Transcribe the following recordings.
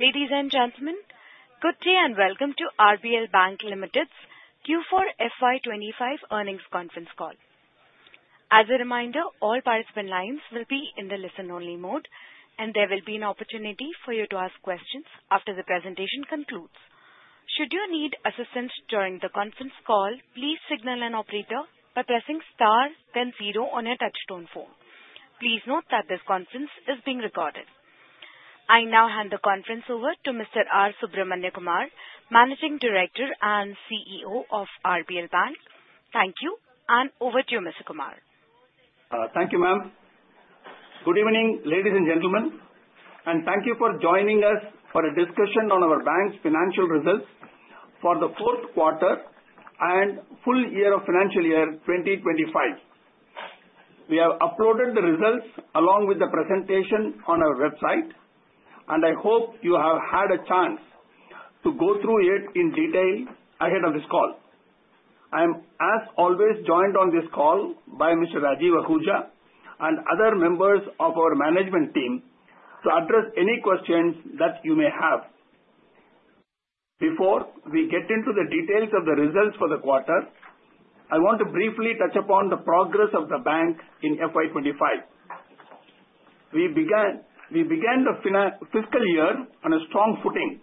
Ladies and gentlemen, good day and welcome to RBL Bank Limited's Q4 FY 2025 earnings conference call. As a reminder, all participant lines will be in the listen-only mode, and there will be an opportunity for you to ask questions after the presentation concludes. Should you need assistance during the conference call, please signal an operator by pressing star, then zero on your touch-tone phone. Please note that this conference is being recorded. I now hand the conference over to Mr. R. Subramaniakumar, Managing Director and CEO of RBL Bank. Thank you, and over to you, Mr. Kumar. Thank you, ma'am. Good evening, ladies and gentlemen, and thank you for joining us for a discussion on our bank's financial results for the fourth quarter and full year of financial year 2025. We have uploaded the results along with the presentation on our website, and I hope you have had a chance to go through it in detail ahead of this call. I am, as always, joined on this call by Mr. Rajiv Ahuja and other members of our management team to address any questions that you may have. Before we get into the details of the results for the quarter, I want to briefly touch upon the progress of the bank in FY 2025. We began the fiscal year on a strong footing,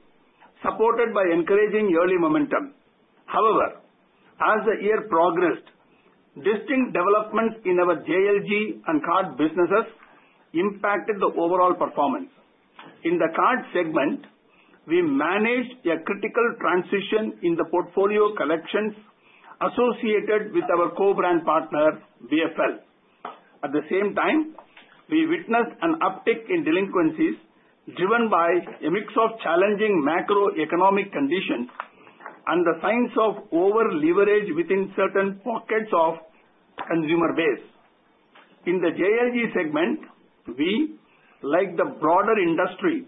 supported by encouraging yearly momentum. However, as the year progressed, distinct developments in our JLG and card businesses impacted the overall performance. In the card segment, we managed a critical transition in the portfolio collections associated with our co-brand partner, BFL. At the same time, we witnessed an uptick in delinquencies driven by a mix of challenging macroeconomic conditions and the signs of over-leverage within certain pockets of the consumer base. In the JLG segment, we, like the broader industry,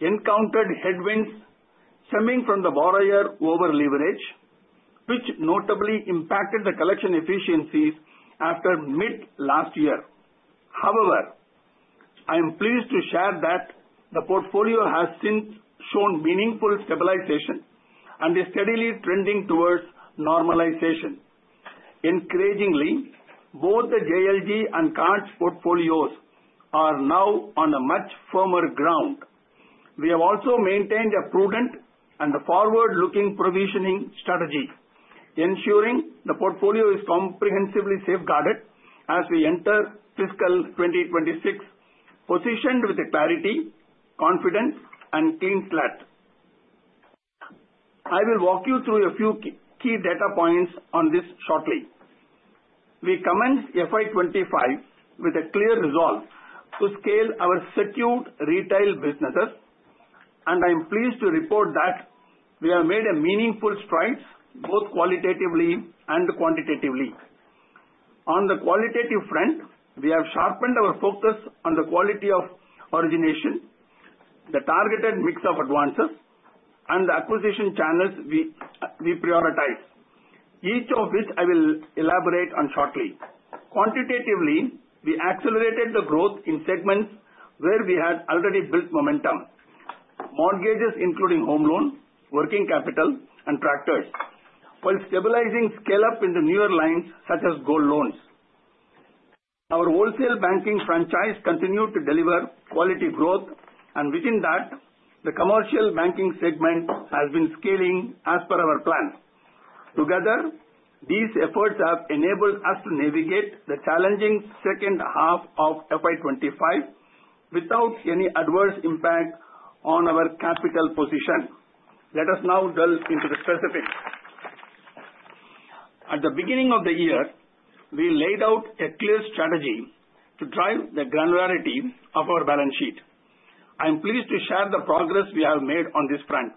encountered headwinds stemming from the borrower over-leverage, which notably impacted the collection efficiencies after mid-last year. However, I am pleased to share that the portfolio has since shown meaningful stabilization and is steadily trending towards normalization. Encouragingly, both the JLG and card portfolios are now on a much firmer ground. We have also maintained a prudent and forward-looking provisioning strategy, ensuring the portfolio is comprehensively safeguarded as we enter fiscal 2026, positioned with clarity, confidence, and a clean slate. I will walk you through a few key data points on this shortly. We commenced FY 2025 with a clear resolve to scale our secured retail businesses, and I am pleased to report that we have made meaningful strides both qualitatively and quantitatively. On the qualitative front, we have sharpened our focus on the quality of origination, the targeted mix of advances, and the acquisition channels we prioritize, each of which I will elaborate on shortly. Quantitatively, we accelerated the growth in segments where we had already built momentum: mortgages, including home loans, working capital, and tractors, while stabilizing scale-up in the newer lines such as gold loans. Our wholesale banking franchise continued to deliver quality growth, and within that, the commercial banking segment has been scaling as per our plan. Together, these efforts have enabled us to navigate the challenging second half of FY 2025 without any adverse impact on our capital position. Let us now delve into the specifics. At the beginning of the year, we laid out a clear strategy to drive the granularity of our balance sheet. I am pleased to share the progress we have made on this front: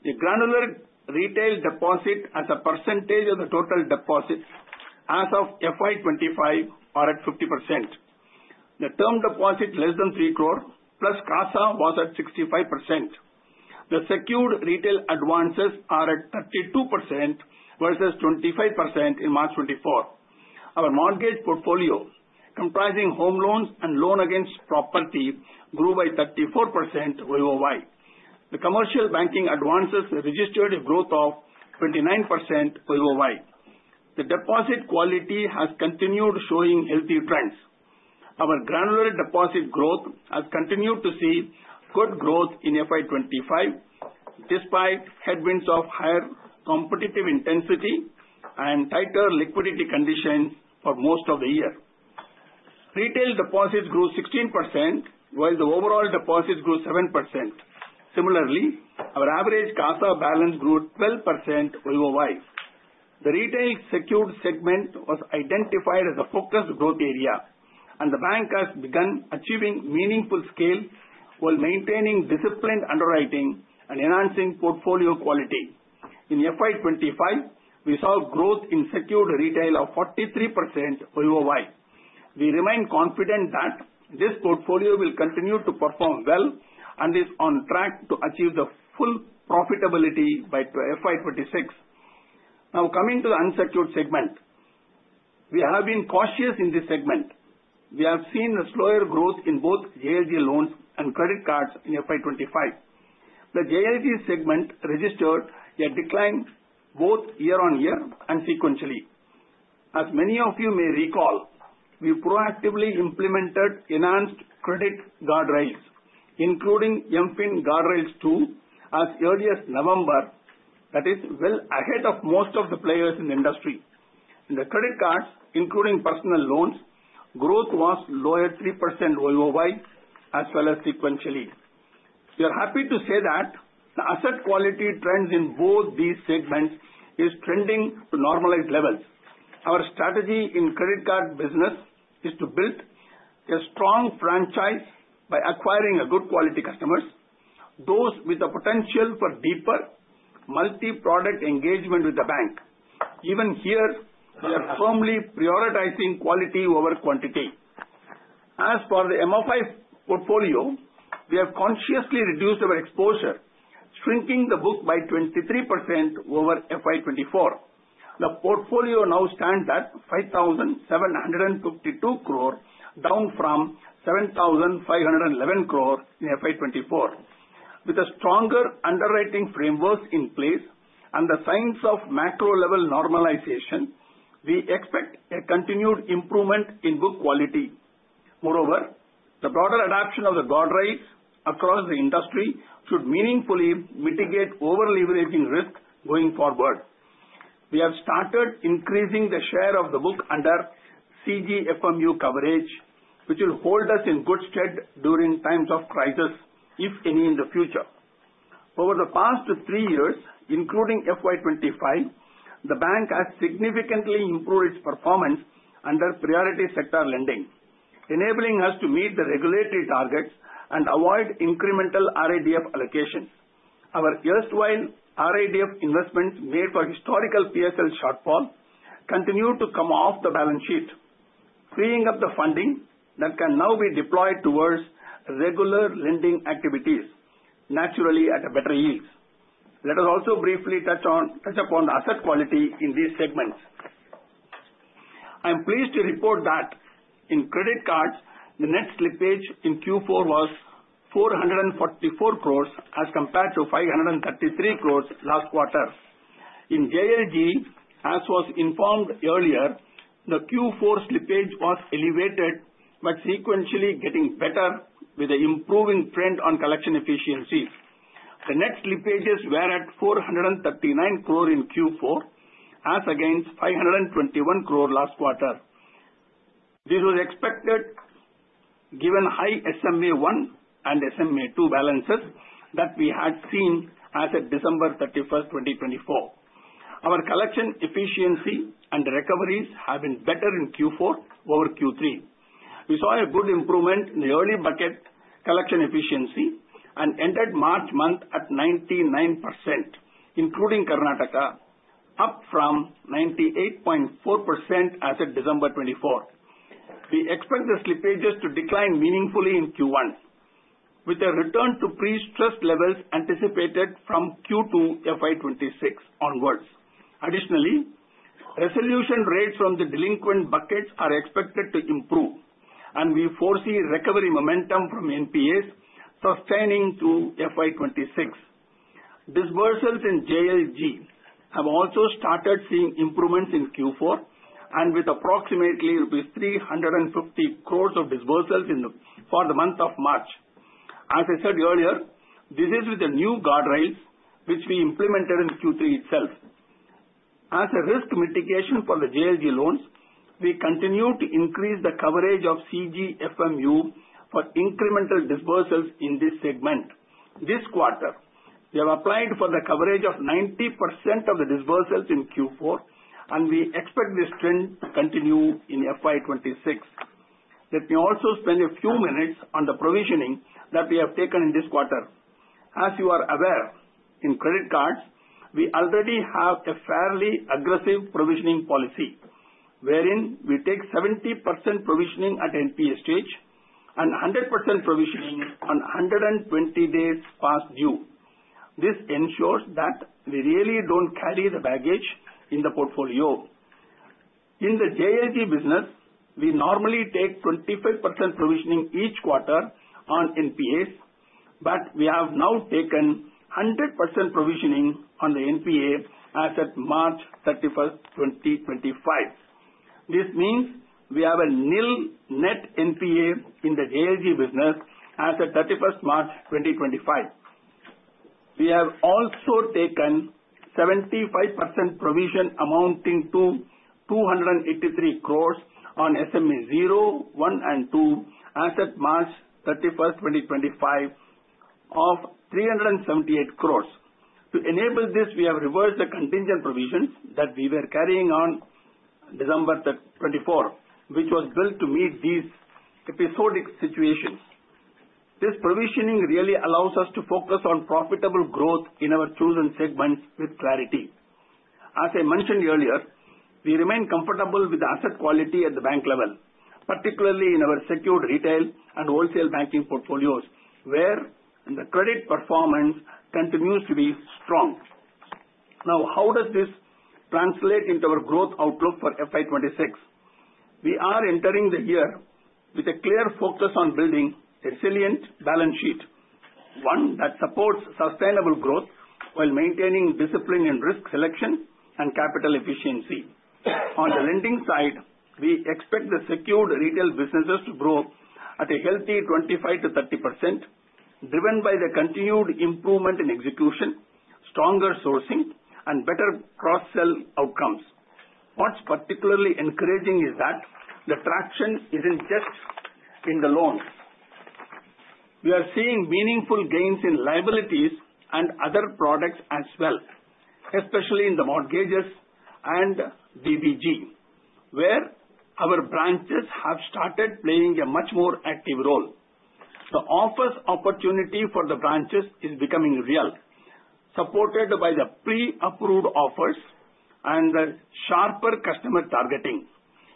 the granular retail deposit as a percentage of the total deposit as of FY 2025 are at 50%. The term deposit less than three crore plus CASA was at 65%. The secured retail advances are at 32% versus 25% in March 2024. Our mortgage portfolio, comprising home loans and loan against property, grew by 34% year-over-year. The commercial banking advances registered a growth of 29% year-over-year. The deposit quality has continued showing healthy trends. Our granular deposit growth has continued to see good growth in FY 2025 despite headwinds of higher competitive intensity and tighter liquidity conditions for most of the year. Retail deposits grew 16%, while the overall deposits grew 7%. Similarly, our average CASA balance grew 12% year-over-year. The retail secured segment was identified as a focused growth area, and the bank has begun achieving meaningful scale while maintaining disciplined underwriting and enhancing portfolio quality. In FY 2025, we saw growth in secured retail of 43% year-over-year. We remain confident that this portfolio will continue to perform well and is on track to achieve full profitability by FY 2026. Now, coming to the unsecured segment, we have been cautious in this segment. We have seen a slower growth in both JLG loans and credit cards in FY 2025. The JLG segment registered a decline both year-on-year and sequentially. As many of you may recall, we proactively implemented enhanced credit guardrails, including MFIN Guardrails II, as early as November, that is, well ahead of most of the players in the industry. In the credit cards, including personal loans, growth was lower at 3% year-over-year as well as sequentially. We are happy to say that the asset quality trends in both these segments are trending to normalized levels. Our strategy in the credit card business is to build a strong franchise by acquiring good-quality customers, those with the potential for deeper multi-product engagement with the bank. Even here, we are firmly prioritizing quality over quantity. As for the MFI portfolio, we have consciously reduced our exposure, shrinking the book by 23% year-over-year FY 2024. The portfolio now stands at 5,752 crore, down from 7,511 crore in FY 2024. With stronger underwriting frameworks in place and the signs of macro-level normalization, we expect a continued improvement in book quality. Moreover, the broader adoption of the guardrails across the industry should meaningfully mitigate over-leveraging risk going forward. We have started increasing the share of the book under CGFMU coverage, which will hold us in good stead during times of crisis, if any, in the future. Over the past three years, including FY 2025, the bank has significantly improved its performance under priority sector lending, enabling us to meet the regulatory targets and avoid incremental RIDF allocations. Our erstwhile RIDF investments made for historical PSL shortfall continue to come off the balance sheet, freeing up the funding that can now be deployed towards regular lending activities, naturally at better yields. Let us also briefly touch upon the asset quality in these segments. I am pleased to report that in credit cards, the net slippage in Q4 was 444 crore as compared to 533 crore last quarter. In JLG, as was informed earlier, the Q4 slippage was elevated but sequentially getting better with an improving trend on collection efficiency. The net slippages were at 439 crore in Q4, as against 521 crore last quarter. This was expected given high SMA I and SMA II balances that we had seen as of December 31, 2024. Our collection efficiency and recoveries have been better in Q4 over Q3. We saw a good improvement in the early bucket collection efficiency and entered March month at 99%, including Karnataka, up from 98.4% as of December 24. We expect the slippages to decline meaningfully in Q1, with a return to pre-stress levels anticipated from Q2 FY 2026 onwards. Additionally, resolution rates from the delinquent buckets are expected to improve, and we foresee recovery momentum from NPAs sustaining through FY 2026. Disbursements in JLG have also started seeing improvements in Q4, with approximately rupees 350 crore of disbursements for the month of March. As I said earlier, this is with the new guardrails, which we implemented in Q3 itself. As a risk mitigation for the JLG loans, we continue to increase the coverage of CGFMU for incremental disbursements in this segment. This quarter, we have applied for the coverage of 90% of the disbursements in Q4, and we expect this trend to continue in FY 2026. Let me also spend a few minutes on the provisioning that we have taken in this quarter. As you are aware, in credit cards, we already have a fairly aggressive provisioning policy, wherein we take 70% provisioning at NPA stage and 100% provisioning on 120 days past due. This ensures that we really don't carry the baggage in the portfolio. In the JLG business, we normally take 25% provisioning each quarter on NPAs, but we have now taken 100% provisioning on the NPA as of March 31, 2025. This means we have a net NPA in the JLG business as of 31 March 2025. We have also taken 75% provision amounting to ₹283 crore on SMA II, as of March 31, 2025, of ₹378 crore. To enable this, we have reversed the contingent provisions that we were carrying on December 24, which was built to meet these episodic situations. This provisioning really allows us to focus on profitable growth in our chosen segments with clarity. As I mentioned earlier, we remain comfortable with the asset quality at the bank level, particularly in our secured retail and wholesale banking portfolios, where the credit performance continues to be strong. Now, how does this translate into our growth outlook for FY 2026? We are entering the year with a clear focus on building a resilient balance sheet, one that supports sustainable growth while maintaining discipline in risk selection and capital efficiency. On the lending side, we expect the secured retail businesses to grow at a healthy 25%-30%, driven by the continued improvement in execution, stronger sourcing, and better cross-sell outcomes. What's particularly encouraging is that the traction isn't just in the loans. We are seeing meaningful gains in liabilities and other products as well, especially in the mortgages and DBG, where our branches have started playing a much more active role. The offers opportunity for the branches is becoming real, supported by the pre-approved offers and the sharper customer targeting.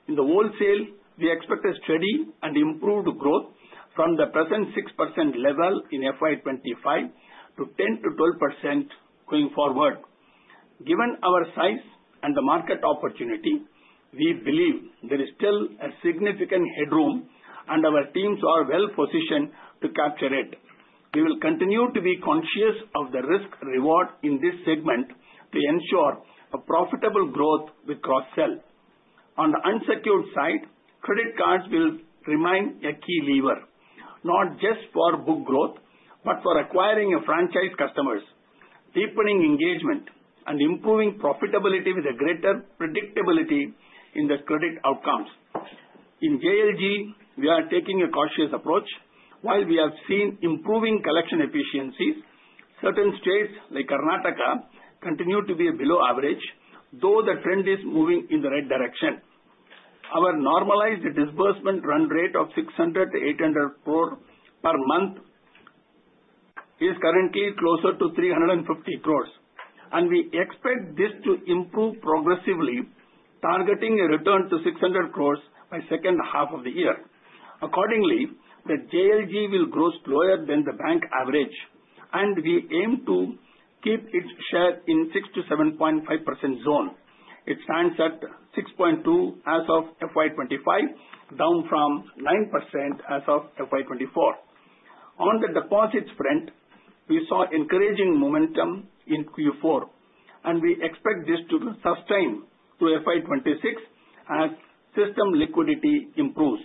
In the wholesale, we expect a steady and improved growth from the present 6% level in FY 2025 to 10%-12% going forward. Given our size and the market opportunity, we believe there is still a significant headroom, and our teams are well-positioned to capture it. We will continue to be conscious of the risk-reward in this segment to ensure profitable growth with cross-sell. On the unsecured side, credit cards will remain a key lever, not just for book growth but for acquiring franchise customers, deepening engagement, and improving profitability with greater predictability in the credit outcomes. In JLG, we are taking a cautious approach. While we have seen improving collection efficiencies, certain states like Karnataka continue to be below average, though the trend is moving in the right direction. Our normalized disbursement run rate of 600-800 crore per month is currently closer to 350 crore, and we expect this to improve progressively, targeting a return to 600 crore by the second half of the year. Accordingly, the JLG will grow slower than the bank average, and we aim to keep its share in the 6%-7.5% zone. It stands at 6.2% as of FY 2025, down from 9% as of FY 2024. On the deposits front, we saw encouraging momentum in Q4, and we expect this to sustain through FY 2026 as system liquidity improves.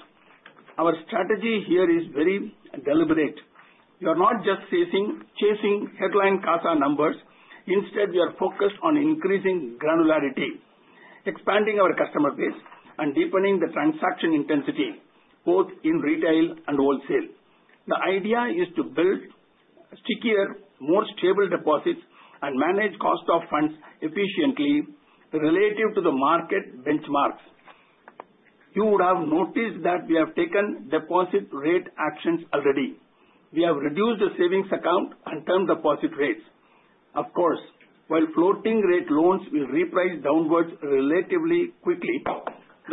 Our strategy here is very deliberate. We are not just chasing headline CASA numbers. Instead, we are focused on increasing granularity, expanding our customer base, and deepening the transaction intensity, both in retail and wholesale. The idea is to build stickier, more stable deposits and manage cost of funds efficiently relative to the market benchmarks. You would have noticed that we have taken deposit rate actions already. We have reduced the savings account and term deposit rates. Of course, while floating-rate loans will reprice downwards relatively quickly,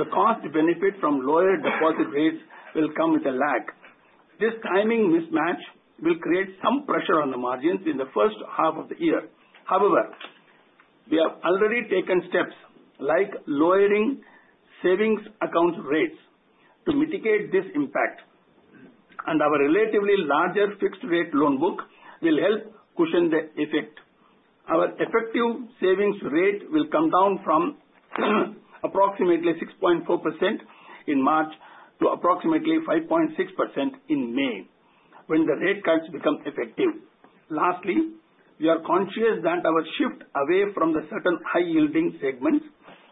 the cost-benefit from lower deposit rates will come with a lag. This timing mismatch will create some pressure on the margins in the first half of the year. However, we have already taken steps like lowering savings account rates to mitigate this impact, and our relatively larger fixed-rate loan book will help cushion the effect. Our effective savings rate will come down from approximately 6.4% in March to approximately 5.6% in May when the rate cuts become effective. Lastly, we are conscious that our shift away from the certain high-yielding segments,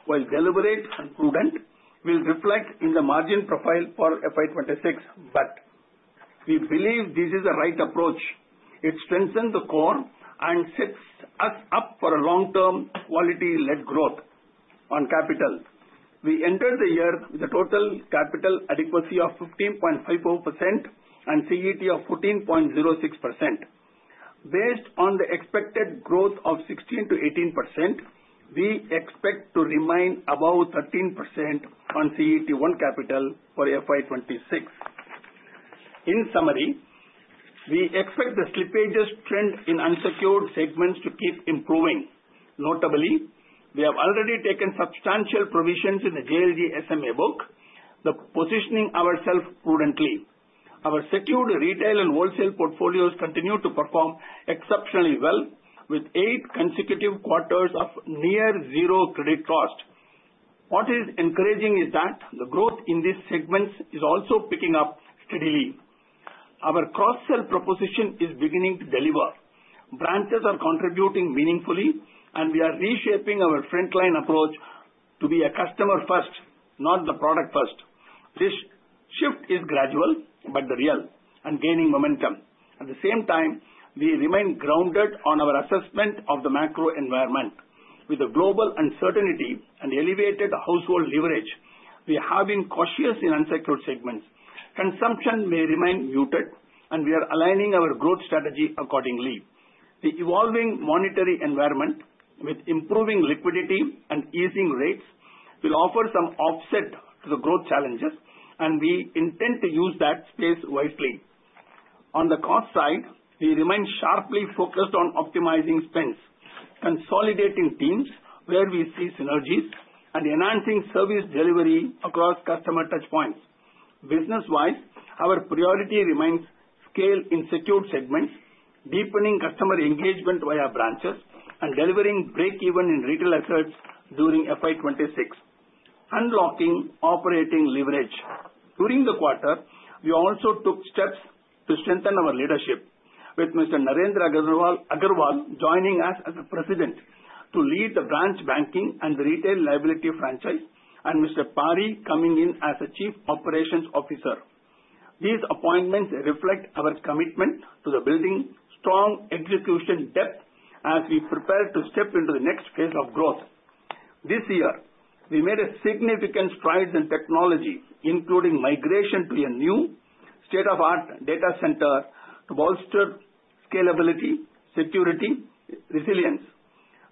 while deliberate and prudent, will reflect in the margin profile for FY 2026. But we believe this is the right approach. It strengthens the core and sets us up for long-term quality-led growth on capital. We entered the year with a total capital adequacy of 15.54% and CET1 of 14.06%. Based on the expected growth of 16%-18%, we expect to remain above 13% on CET1 capital for FY 2026. In summary, we expect the slippage trend in unsecured segments to keep improving. Notably, we have already taken substantial provisions in the JLG SMA book, positioning ourselves prudently. Our secured retail and wholesale portfolios continue to perform exceptionally well, with eight consecutive quarters of near-zero credit cost. What is encouraging is that the growth in these segments is also picking up steadily. Our cross-sell proposition is beginning to deliver. Branches are contributing meaningfully, and we are reshaping our frontline approach to be a customer-first, not the product-first. This shift is gradual but real and gaining momentum. At the same time, we remain grounded on our assessment of the macro environment. With the global uncertainty and elevated household leverage, we have been cautious in unsecured segments. Consumption may remain muted, and we are aligning our growth strategy accordingly. The evolving monetary environment, with improving liquidity and easing rates, will offer some offset to the growth challenges, and we intend to use that space wisely. On the cost side, we remain sharply focused on optimizing spends, consolidating teams where we see synergies, and enhancing service delivery across customer touchpoints. Business-wise, our priority remains scale in secured segments, deepening customer engagement via branches, and delivering break-even in retail assets during FY 2026, unlocking operating leverage. During the quarter, we also took steps to strengthen our leadership, with Mr. Narendra Agrawal joining us as President to lead the branch banking and the retail liability franchise, and Mr. Paridhasan coming in as Chief Operations Officer. These appointments reflect our commitment to building strong execution depth as we prepare to step into the next phase of growth. This year, we made significant strides in technology, including migration to a new state-of-the-art data center to bolster scalability, security, and resilience.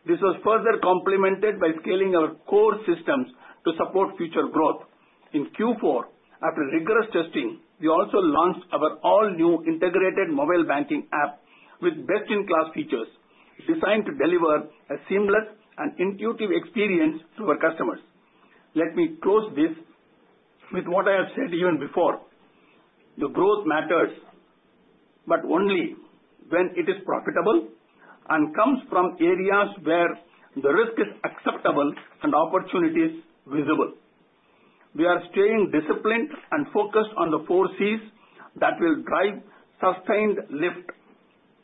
This was further complemented by scaling our core systems to support future growth. In Q4, after rigorous testing, we also launched our all-new integrated mobile banking app with best-in-class features, designed to deliver a seamless and intuitive experience to our customers. Let me close this with what I have said even before: the growth matters, but only when it is profitable and comes from areas where the risk is acceptable and opportunities visible. We are staying disciplined and focused on the four Cs that will drive sustained lift: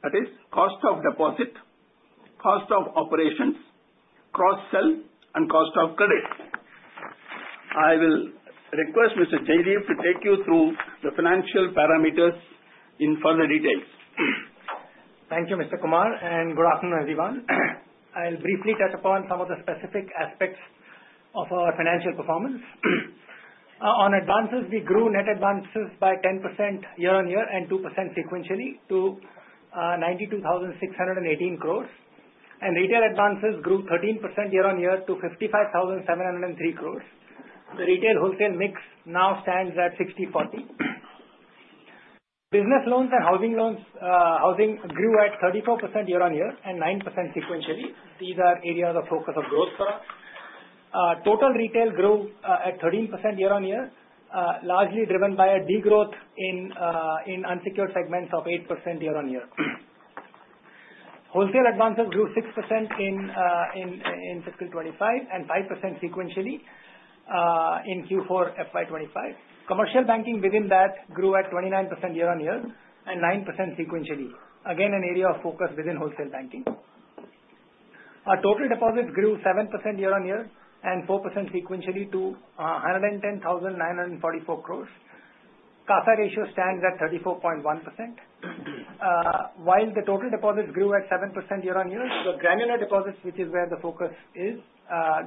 that is, cost of deposit, cost of operations, cross-sell, and cost of credit. I will request Mr. Jaideep to take you through the financial parameters in further details. Thank you, Mr. Kumar, and good afternoon, everyone. I'll briefly touch upon some of the specific aspects of our financial performance. On advances, we grew net advances by 10% year-on-year and 2% sequentially to ₹92,618 crore, and retail advances grew 13% year-on-year to ₹55,703 crore. The retail wholesale mix now stands at 60/40. Business loans and housing grew at 34% year-on-year and 9% sequentially. These are areas of focus of growth for us. Total retail grew at 13% year-on-year, largely driven by a degrowth in unsecured segments of 8% year-on-year. Wholesale advances grew 6% in FY 2025 and 5% sequentially in Q4 FY 2025. Commercial banking within that grew at 29% year-on-year and 9% sequentially, again an area of focus within wholesale banking. Our total deposits grew 7% year-on-year and 4% sequentially to 110,944 crore. CASA ratio stands at 34.1%. While the total deposits grew at 7% year-on-year, the granular deposits, which is where the focus is,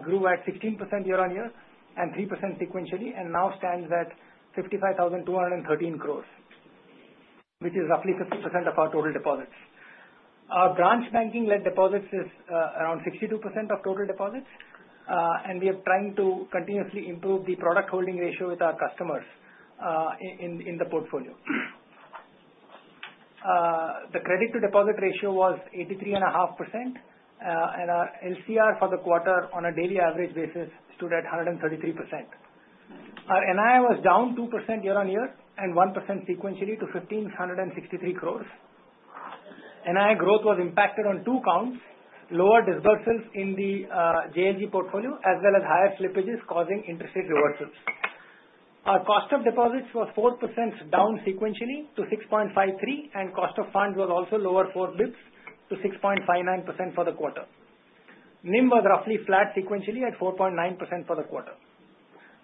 grew at 16% year-on-year and 3% sequentially, and now stands at 55,213 crore, which is roughly 50% of our total deposits. Our branch banking-led deposits is around 62% of total deposits, and we are trying to continuously improve the product holding ratio with our customers in the portfolio. The credit-to-deposit ratio was 83.5%, and our LCR for the quarter, on a daily average basis, stood at 133%. Our NII was down 2% year-on-year and 1% sequentially to 1,563 crore. NII growth was impacted on two counts: lower disbursals in the JLG portfolio as well as higher slippages causing interest rate reversals. Our cost of deposits was 4% down sequentially to 6.53%, and cost of funds was also lower four basis points to 6.59% for the quarter. NIM was roughly flat sequentially at 4.9% for the quarter.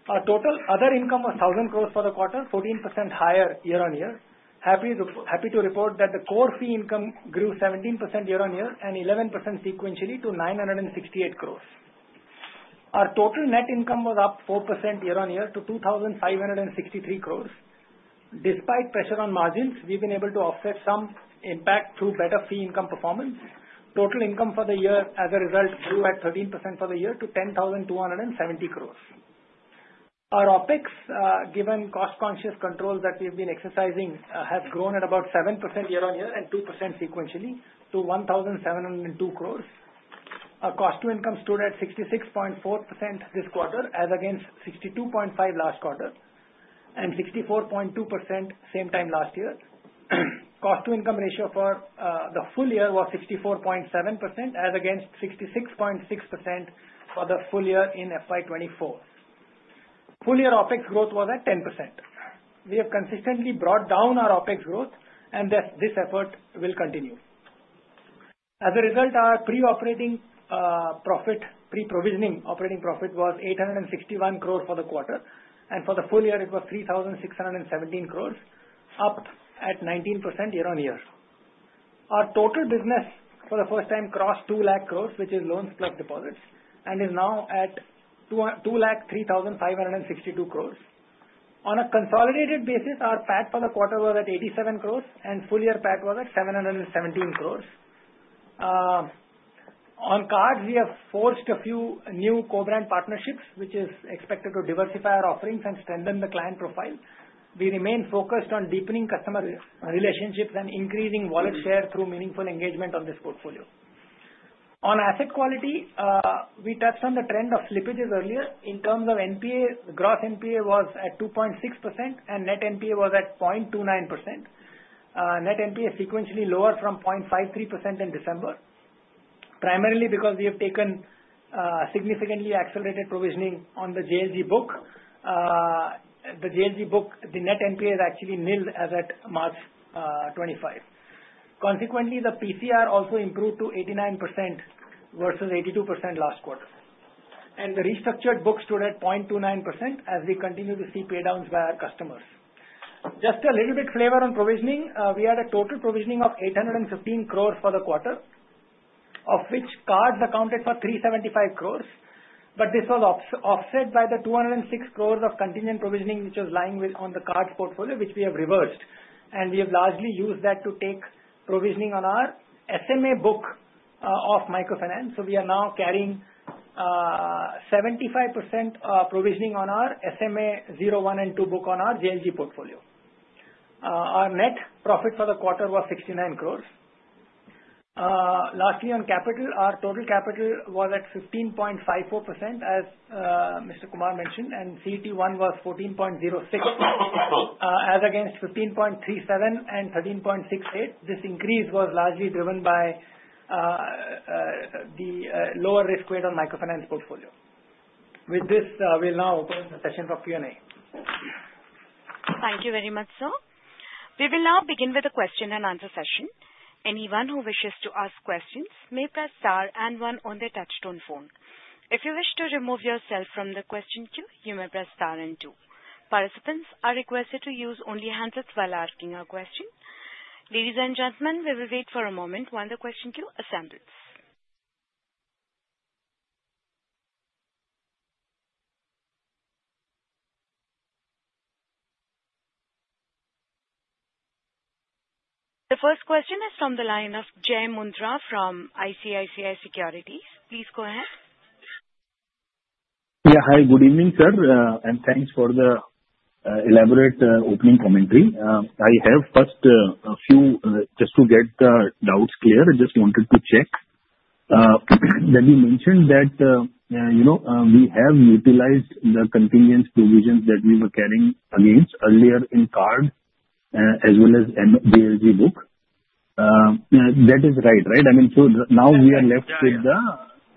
Our total other income was 1,000 crore for the quarter, 14% higher year-on-year. Happy to report that the core fee income grew 17% year-on-year and 11% sequentially to 968 crore. Our total net income was up 4% year-on-year to 2,563 crore. Despite pressure on margins, we've been able to offset some impact through better fee income performance. Total income for the year, as a result, grew at 13% for the year to 10,270 crore. Our OpEx, given cost-conscious controls that we have been exercising, has grown at about 7% year-on-year and 2% sequentially to 1,702 crore. Our cost-to-income stood at 66.4% this quarter, as against 62.5% last quarter and 64.2% same time last year. Cost-to-income ratio for the full year was 64.7%, as against 66.6% for the full year in FY 2024. Full-year OPEX growth was at 10%. We have consistently brought down our OPEX growth, and this effort will continue. As a result, our pre-provisioning operating profit was 861 crore for the quarter, and for the full year, it was 3,617 crore, up at 19% year-on-year. Our total business, for the first time, crossed 2,000,000 crore, which is loans plus deposits, and is now at 2,003,562 crore. On a consolidated basis, our PAT for the quarter was at 87 crore, and full-year PAT was at 717 crore. On cards, we have forged a few new co-brand partnerships, which is expected to diversify our offerings and strengthen the client profile. We remain focused on deepening customer relationships and increasing wallet share through meaningful engagement on this portfolio. On asset quality, we touched on the trend of slippages earlier. In terms of NPA, gross NPA was at 2.6%, and net NPA was at 0.29%. Net NPA sequentially lowered from 0.53% in December, primarily because we have taken significantly accelerated provisioning on the JLG book. The JLG book, the net NPA is actually nil as at March 25. Consequently, the PCR also improved to 89% versus 82% last quarter. The restructured book stood at 0.29% as we continue to see paydowns by our customers. Just a little bit flavor on provisioning, we had a total provisioning of 815 crore for the quarter, of which cards accounted for 375 crore. But this was offset by the 206 crore of contingent provisioning, which was lying on the cards portfolio, which we have reversed. And we have largely used that to take provisioning on our SMA book of microfinance. So we are now carrying 75% provisioning on our SMA01 and 02 book on our JLG portfolio. Our net profit for the quarter was 69 crore. Lastly, on capital, our total capital was at 15.54%, as Mr. Kumar mentioned, and CET1 was 14.06%, as against 15.37% and 13.68%. This increase was largely driven by the lower risk weight on microfinance portfolio. With this, we'll now open the session for Q&A. Thank you very much, sir. We will now begin with a question-and-answer session. Anyone who wishes to ask questions may press star and one on the touch-tone phone. If you wish to remove yourself from the question queue, you may press star and two. Participants are requested to use only handsets while asking a question. Ladies and gentlemen, we will wait for a moment while the question queue assembles. The first question is from the line of Jai Mundhra from ICICI Securities. Please go ahead. Yeah, hi. Good evening, sir. And thanks for the elaborate opening commentary. I have first a few just to get the doubts clear. I just wanted to check. When you mentioned that we have utilized the contingent provisions that we were carrying against earlier in card as well as JLG book, that is right, right? I mean, so now we are left with the...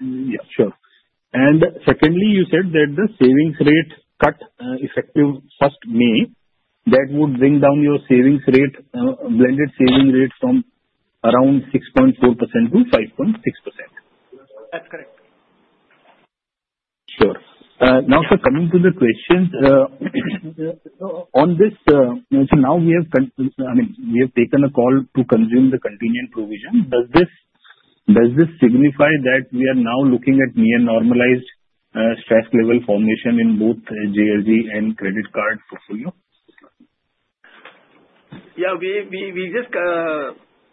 Yeah, sure. And secondly, you said that the savings rate cut, effective first May, that would bring down your savings rate, blended saving rate from around 6.4% to 5.6%. That's correct. Sure. Now, sir, coming to the questions, on this, so now we have, I mean, we have taken a call to consume the contingent provision. Does this signify that we are now looking at near normalized stress level formation in both JLG and credit card portfolio? Yeah, we just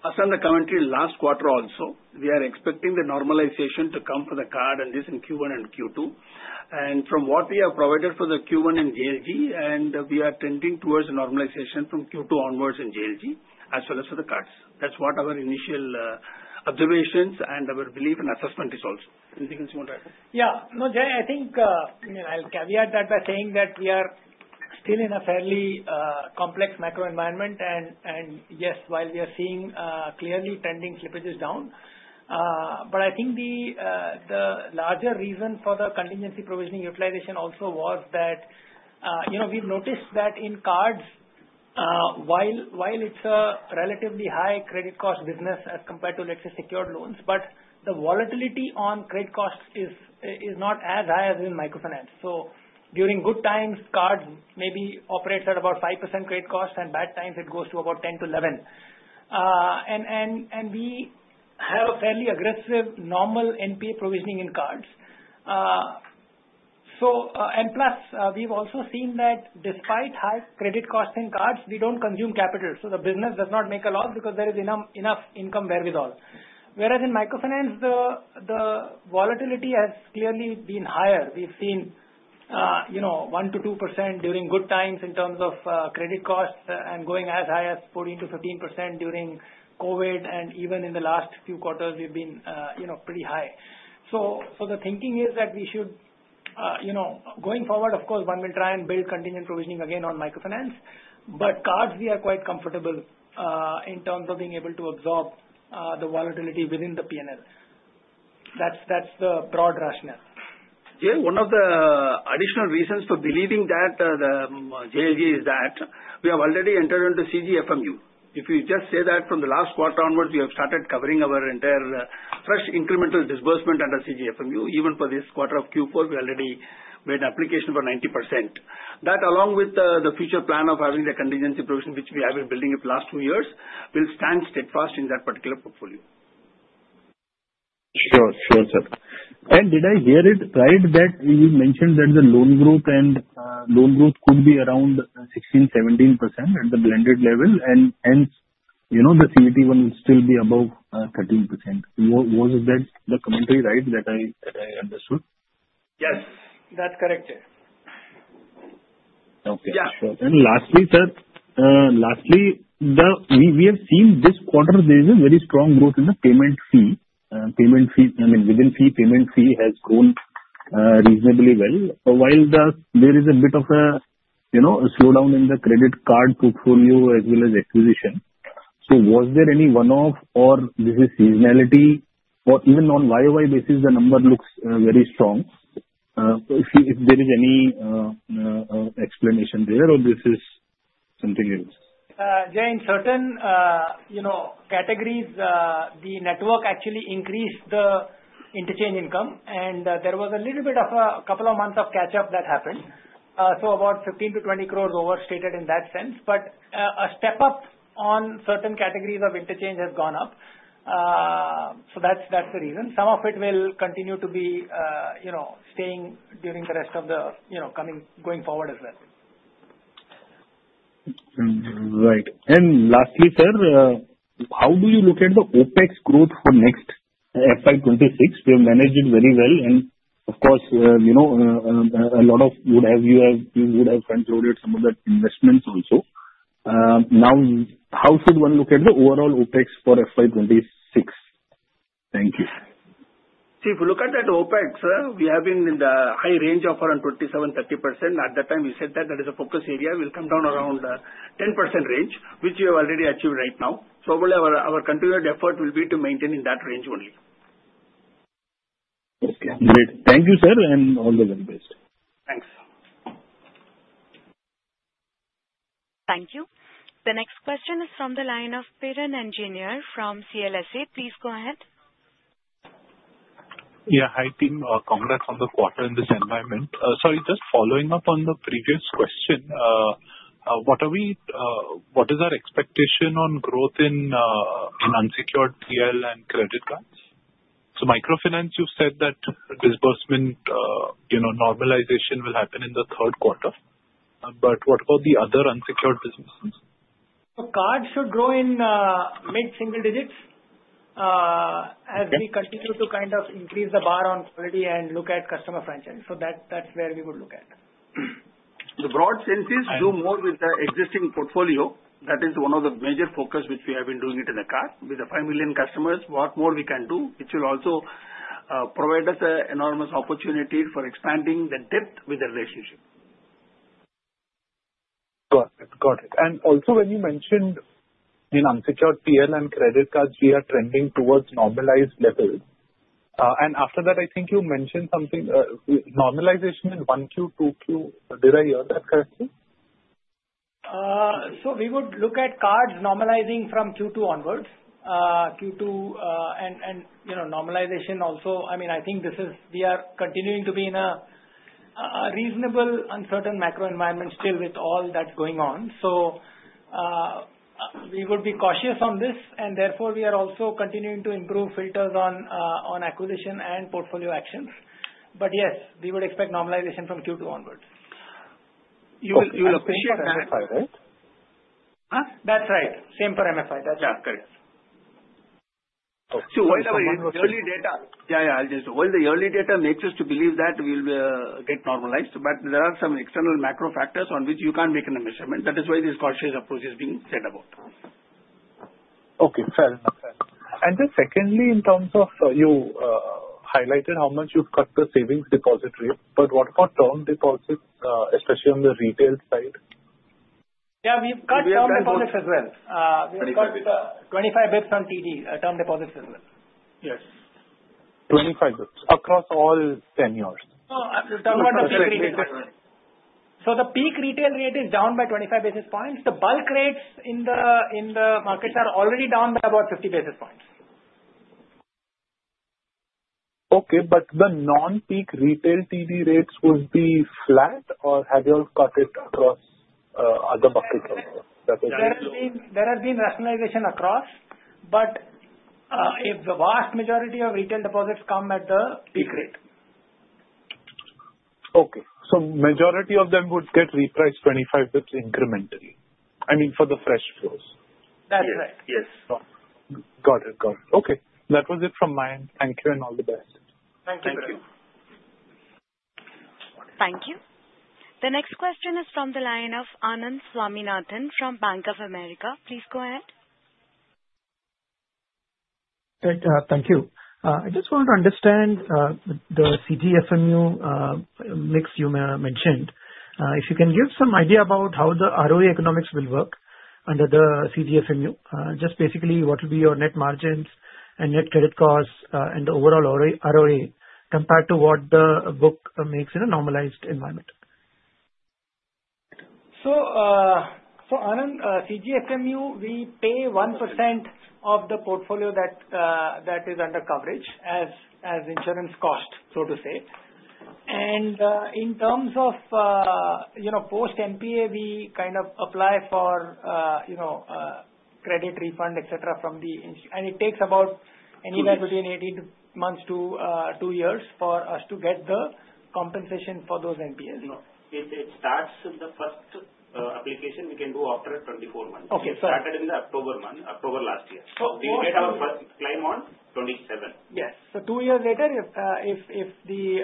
issued the commentary last quarter also. We are expecting the normalization to come for the card and this in Q1 and Q2. And from what we have provided for the Q1 in JLG, we are tending towards normalization from Q2 onwards in JLG as well as for the cards. That's what our initial observations and our belief and assessment is also. Anything else you want to add? Yeah. No, Jay, I think I'll caveat that by saying that we are still in a fairly complex macro environment, and yes, while we are seeing clearly trending slippages down, but I think the larger reason for the contingency provisioning utilization also was that we've noticed that in cards, while it's a relatively high credit cost business as compared to, let's say, secured loans, the volatility on credit costs is not as high as in microfinance, so during good times, cards maybe operate at about 5% credit cost, and bad times, it goes to about 10%-11%. and we have a fairly aggressive normal NPA provisioning in cards, and plus, we've also seen that despite high credit costs in cards, we don't consume capital. So the business does not make a loss because there is enough income wherewithal. Whereas in microfinance, the volatility has clearly been higher. We've seen 1-2% during good times in terms of credit costs and going as high as 14%-15% during COVID. And even in the last few quarters, we've been pretty high. So the thinking is that we should, going forward, of course, one will try and build contingent provisioning again on microfinance. But cards, we are quite comfortable in terms of being able to absorb the volatility within the P&L. That's the broad rationale. Jay, one of the additional reasons for believing that the JLG is that we have already entered into CGFMU. If you just say that from the last quarter onwards, we have started covering our entire fresh incremental disbursement under CGFMU, even for this quarter of Q4, we already made an application for 90%. That, along with the future plan of having the contingency provision, which we have been building for the last two years, will stand steadfast in that particular portfolio. Sure, sure, sir. And did I hear it right that you mentioned that the loan book and loan growth could be around 16%-17% at the blended level, and hence the CET1 will still be above 13%? Was that the commentary, right, that I understood? Yes, that's correct, sir. Okay, sure. And lastly, sir, lastly, we have seen this quarter, there is a very strong growth in the payment fee. Payment fee, I mean, within fee, payment fee has grown reasonably well. While there is a bit of a slowdown in the credit card portfolio as well as acquisition. So was there any one-off, or this is seasonality, or even on YoY basis, the number looks very strong? If there is any explanation there, or this is something else? Jay, in certain categories, the network actually increased the interchange income, and there was a little bit of a couple of months of catch-up that happened. So about 15-20 crore overstated in that sense. But a step-up on certain categories of interchange has gone up. So that's the reason. Some of it will continue to be staying during the rest of the coming going forward as well. Right. And lastly, sir, how do you look at the OpEx growth for next FY 2026? We have managed it very well. And of course, a lot of you would have concluded some of the investments also. Now, how should one look at the overall OpEx for FY 2026? Thank you. See, if you look at that OpEx, we have been in the high range of around 27%-30%. At that time, we said that that is a focus area. We'll come down around 10% range, which we have already achieved right now. So our continued effort will be to maintain in that range only. Okay. Great. Thank you, sir, and all the best. Thanks. Thank you. The next question is from the line of Piran Engineer from CLSA. Please go ahead. Yeah, hi. Team, congrats on the quarter in this environment. Sorry, just following up on the previous question, what is our expectation on growth in unsecured PL and credit cards? So microfinance, you've said that disbursement normalization will happen in the third quarter. But what about the other unsecured businesses? So cards should grow in mid-single digits as we continue to kind of increase the bar on quality and look at customer franchise. So that's where we would look at. The broad sense is do more with the existing portfolio. That is one of the major focus which we have been doing it in the card. With the 5 million customers, what more we can do, which will also provide us an enormous opportunity for expanding the depth with the relationship. Got it. Got it. And also, when you mentioned in unsecured PL and credit cards, we are trending towards normalized level. And after that, I think you mentioned something normalization in 1Q, 2Q. Did I hear that correctly? So we would look at cards normalizing from Q2 onwards. Q2 and normalization also, I mean, I think this is we are continuing to be in a reasonable uncertain macro environment still with all that's going on. So we would be cautious on this. And therefore, we are also continuing to improve filters on acquisition and portfolio actions. But yes, we would expect normalization from Q2 onwards. You will appreciate MFI, right? That's right. Same for MFI. That's correct. So while the early data makes us to believe that we'll get normalized, but there are some external macro factors on which you can't make an assessment. That is why this cautious approach is being said about. Okay. Fair. And then secondly, in terms of you highlighted how much you've cut the savings deposit rate, but what about term deposits, especially on the retail side? Yeah, we've cut term deposits as well. We have cut 25 basis points on TD, term deposits as well. Yes. 25 basis points across all tenures? No, I'm talking about the peak retail rate. So the peak retail rate is down by 25 basis points. The bulk rates in the markets are already down by about 50 basis points. Okay, but the non-peak retail TD rates would be flat, or have you all cut it across other markets also? There has been rationalization across, but the vast majority of retail deposits come at the peak rate. Okay, so majority of them would get repriced 25 basis points incrementally. I mean, for the fresh flows. That's right. Yes. Got it. Got it. Okay. That was it from my end. Thank you and all the best. Thank you. Thank you. Thank you. The next question is from the line of Anand Swaminathan from Bank of America. Please go ahead. Thank you. I just want to understand the CGFMU mix you mentioned. If you can give some idea about how the ROA economics will work under the CGFMU, just basically what will be your net margins and net credit costs and the overall ROA compared to what the book makes in a normalized environment? So for Anand, CGFMU, we pay 1% of the portfolio that is under coverage as insurance cost, so to say. And in terms of post-NPA, we kind of apply for credit refund, etc., from the CGFMU, and it takes about anywhere between 18 months to two years for us to get the compensation for those NPAs. It starts. The first application we can do after 24 months. It started in the October month, October last year. So we get our first claim on 27. Yes. So two years later, if the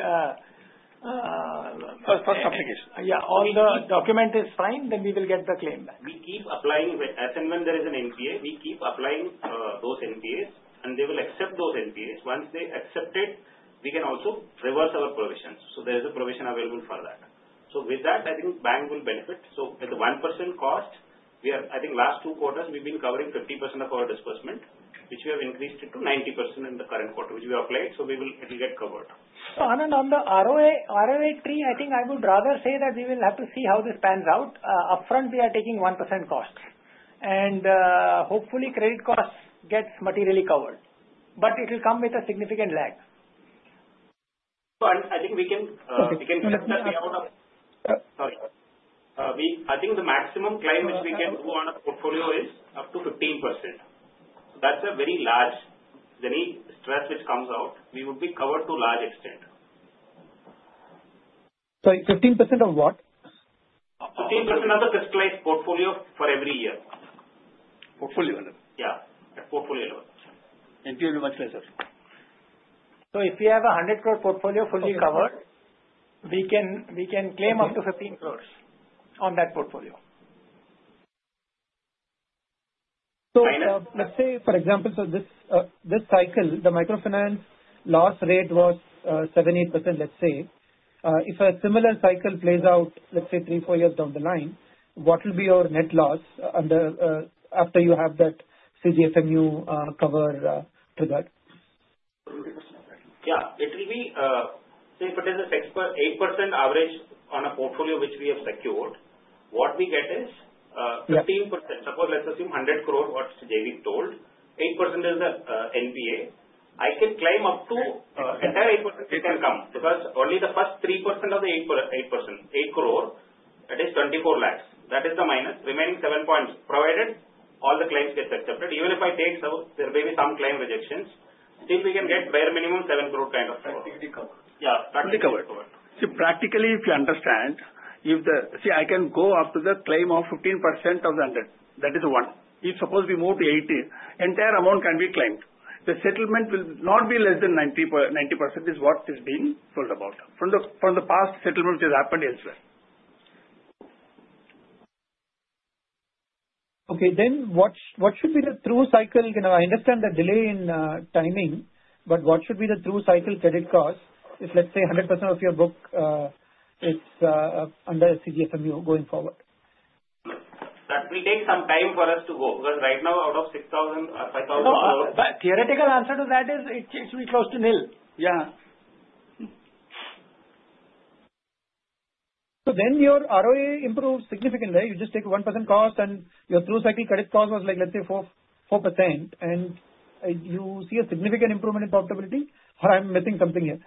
first application. Yeah, all the document is signed, then we will get the claim back. We keep applying as and when there is an MPA, we keep applying those MPAs, and they will accept those MPAs. Once they accept it, we can also reverse our provisions. There is a provision available for that. With that, I think the bank will benefit. With the 1% cost, I think last two quarters, we've been covering 50% of our disbursement, which we have increased to 90% in the current quarter, which we applied. It will get covered. Anand, on the ROA tree, I think I would rather say that we will have to see how this pans out. Upfront, we are taking 1% cost. Hopefully, credit cost gets materially covered. It will come with a significant lag. I think we can cut that way out of sorry. I think the maximum claim which we can do on a portfolio is up to 15%. That's a very large. Any stress which comes out, we would be covered to a large extent. So 15% of what? 15% of the securitised portfolio for every year. Portfolio level? Yeah, at portfolio level. Thank you very much, sir. So if we have a 100 crore portfolio fully covered, we can claim up to 15 crores on that portfolio. So let's say, for example, so this cycle, the microfinance loss rate was 78%, let's say. If a similar cycle plays out, let's say, three, four years down the line, what will be your net loss after you have that CGFMU cover triggered? Yeah. It will be say, if it is a 8% average on a portfolio which we have secured, what we get is 15%. Suppose, let's assume 100 crore, what Jayvi told, 8% is the NPA. I can claim up to entire 8% can come because only the first 3% of the 8 crore, that is 24 lakhs. That is the minus. Remaining 7 points, provided all the claims get accepted. Even if I take some claim rejections, still we can get bare minimum 7 crore kind of cover. It will be covered. Yeah, that will be covered. So practically, if you understand, if you see, I can go after the claim of 15% of the 100. That is one. If suppose we move to 80, entire amount can be claimed. The settlement will not be less than 90% is what is being told about from the past settlement which has happened elsewhere. Okay. Then what should be the through cycle? I understand the delay in timing, but what should be the through cycle credit cost if, let's say, 100% of your book is under CGFMU going forward? That will take some time for us to go because right now, out of 6,000 or 5,000 crore, but theoretical answer to that is it will close to nil. Yeah. So then your ROA improves significantly. You just take 1% cost, and your through cycle credit cost was like, let's say, 4%. And you see a significant improvement in profitability. Or I'm missing something here?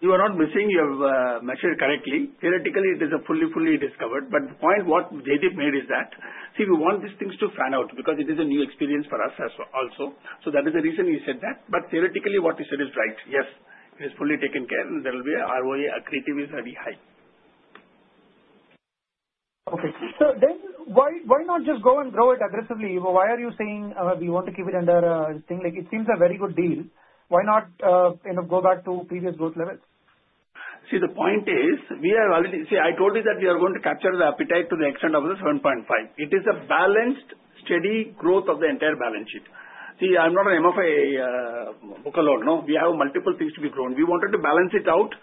You are not missing. You have measured correctly. Theoretically, it is fully, fully covered. But the point what Jaideep made is that, see, we want these things to pan out because it is a new experience for us also. So that is the reason he said that. But theoretically, what he said is right. Yes, it is fully taken care, and there will be a ROA accretive. It is very high. Okay. So then why not just go and grow it aggressively? Why are you saying we want to keep it under a thing? It seems a very good deal. Why not go back to previous growth levels? See, the point is we have already see. I told you that we are going to capture the appetite to the extent of the 7.5. It is a balanced, steady growth of the entire balance sheet. See, I'm not an MFA book alone. No, we have multiple things to be grown. We wanted to balance it out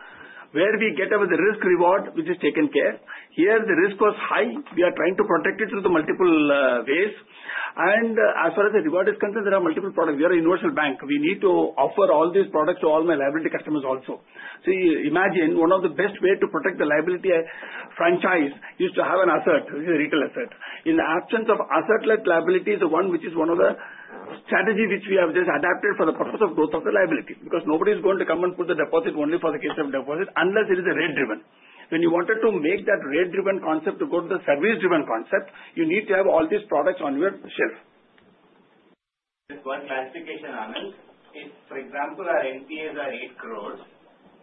where we get over the risk-reward, which is taken care. Here, the risk was high. We are trying to protect it through the multiple ways. And as far as the reward is concerned, there are multiple products. We are a universal bank. We need to offer all these products to all my liability customers also. See, imagine one of the best ways to protect the liability franchise is to have an asset, which is a retail asset. In the absence of asset-led liability, the one which is one of the strategies which we have just adapted for the purpose of growth of the liability because nobody is going to come and put the deposit only for the case of deposit unless it is a rate-driven. When you wanted to make that rate-driven concept to go to the service-driven concept, you need to have all these products on your shelf. One clarification, Anand. For example, our NPAs are 8 crores.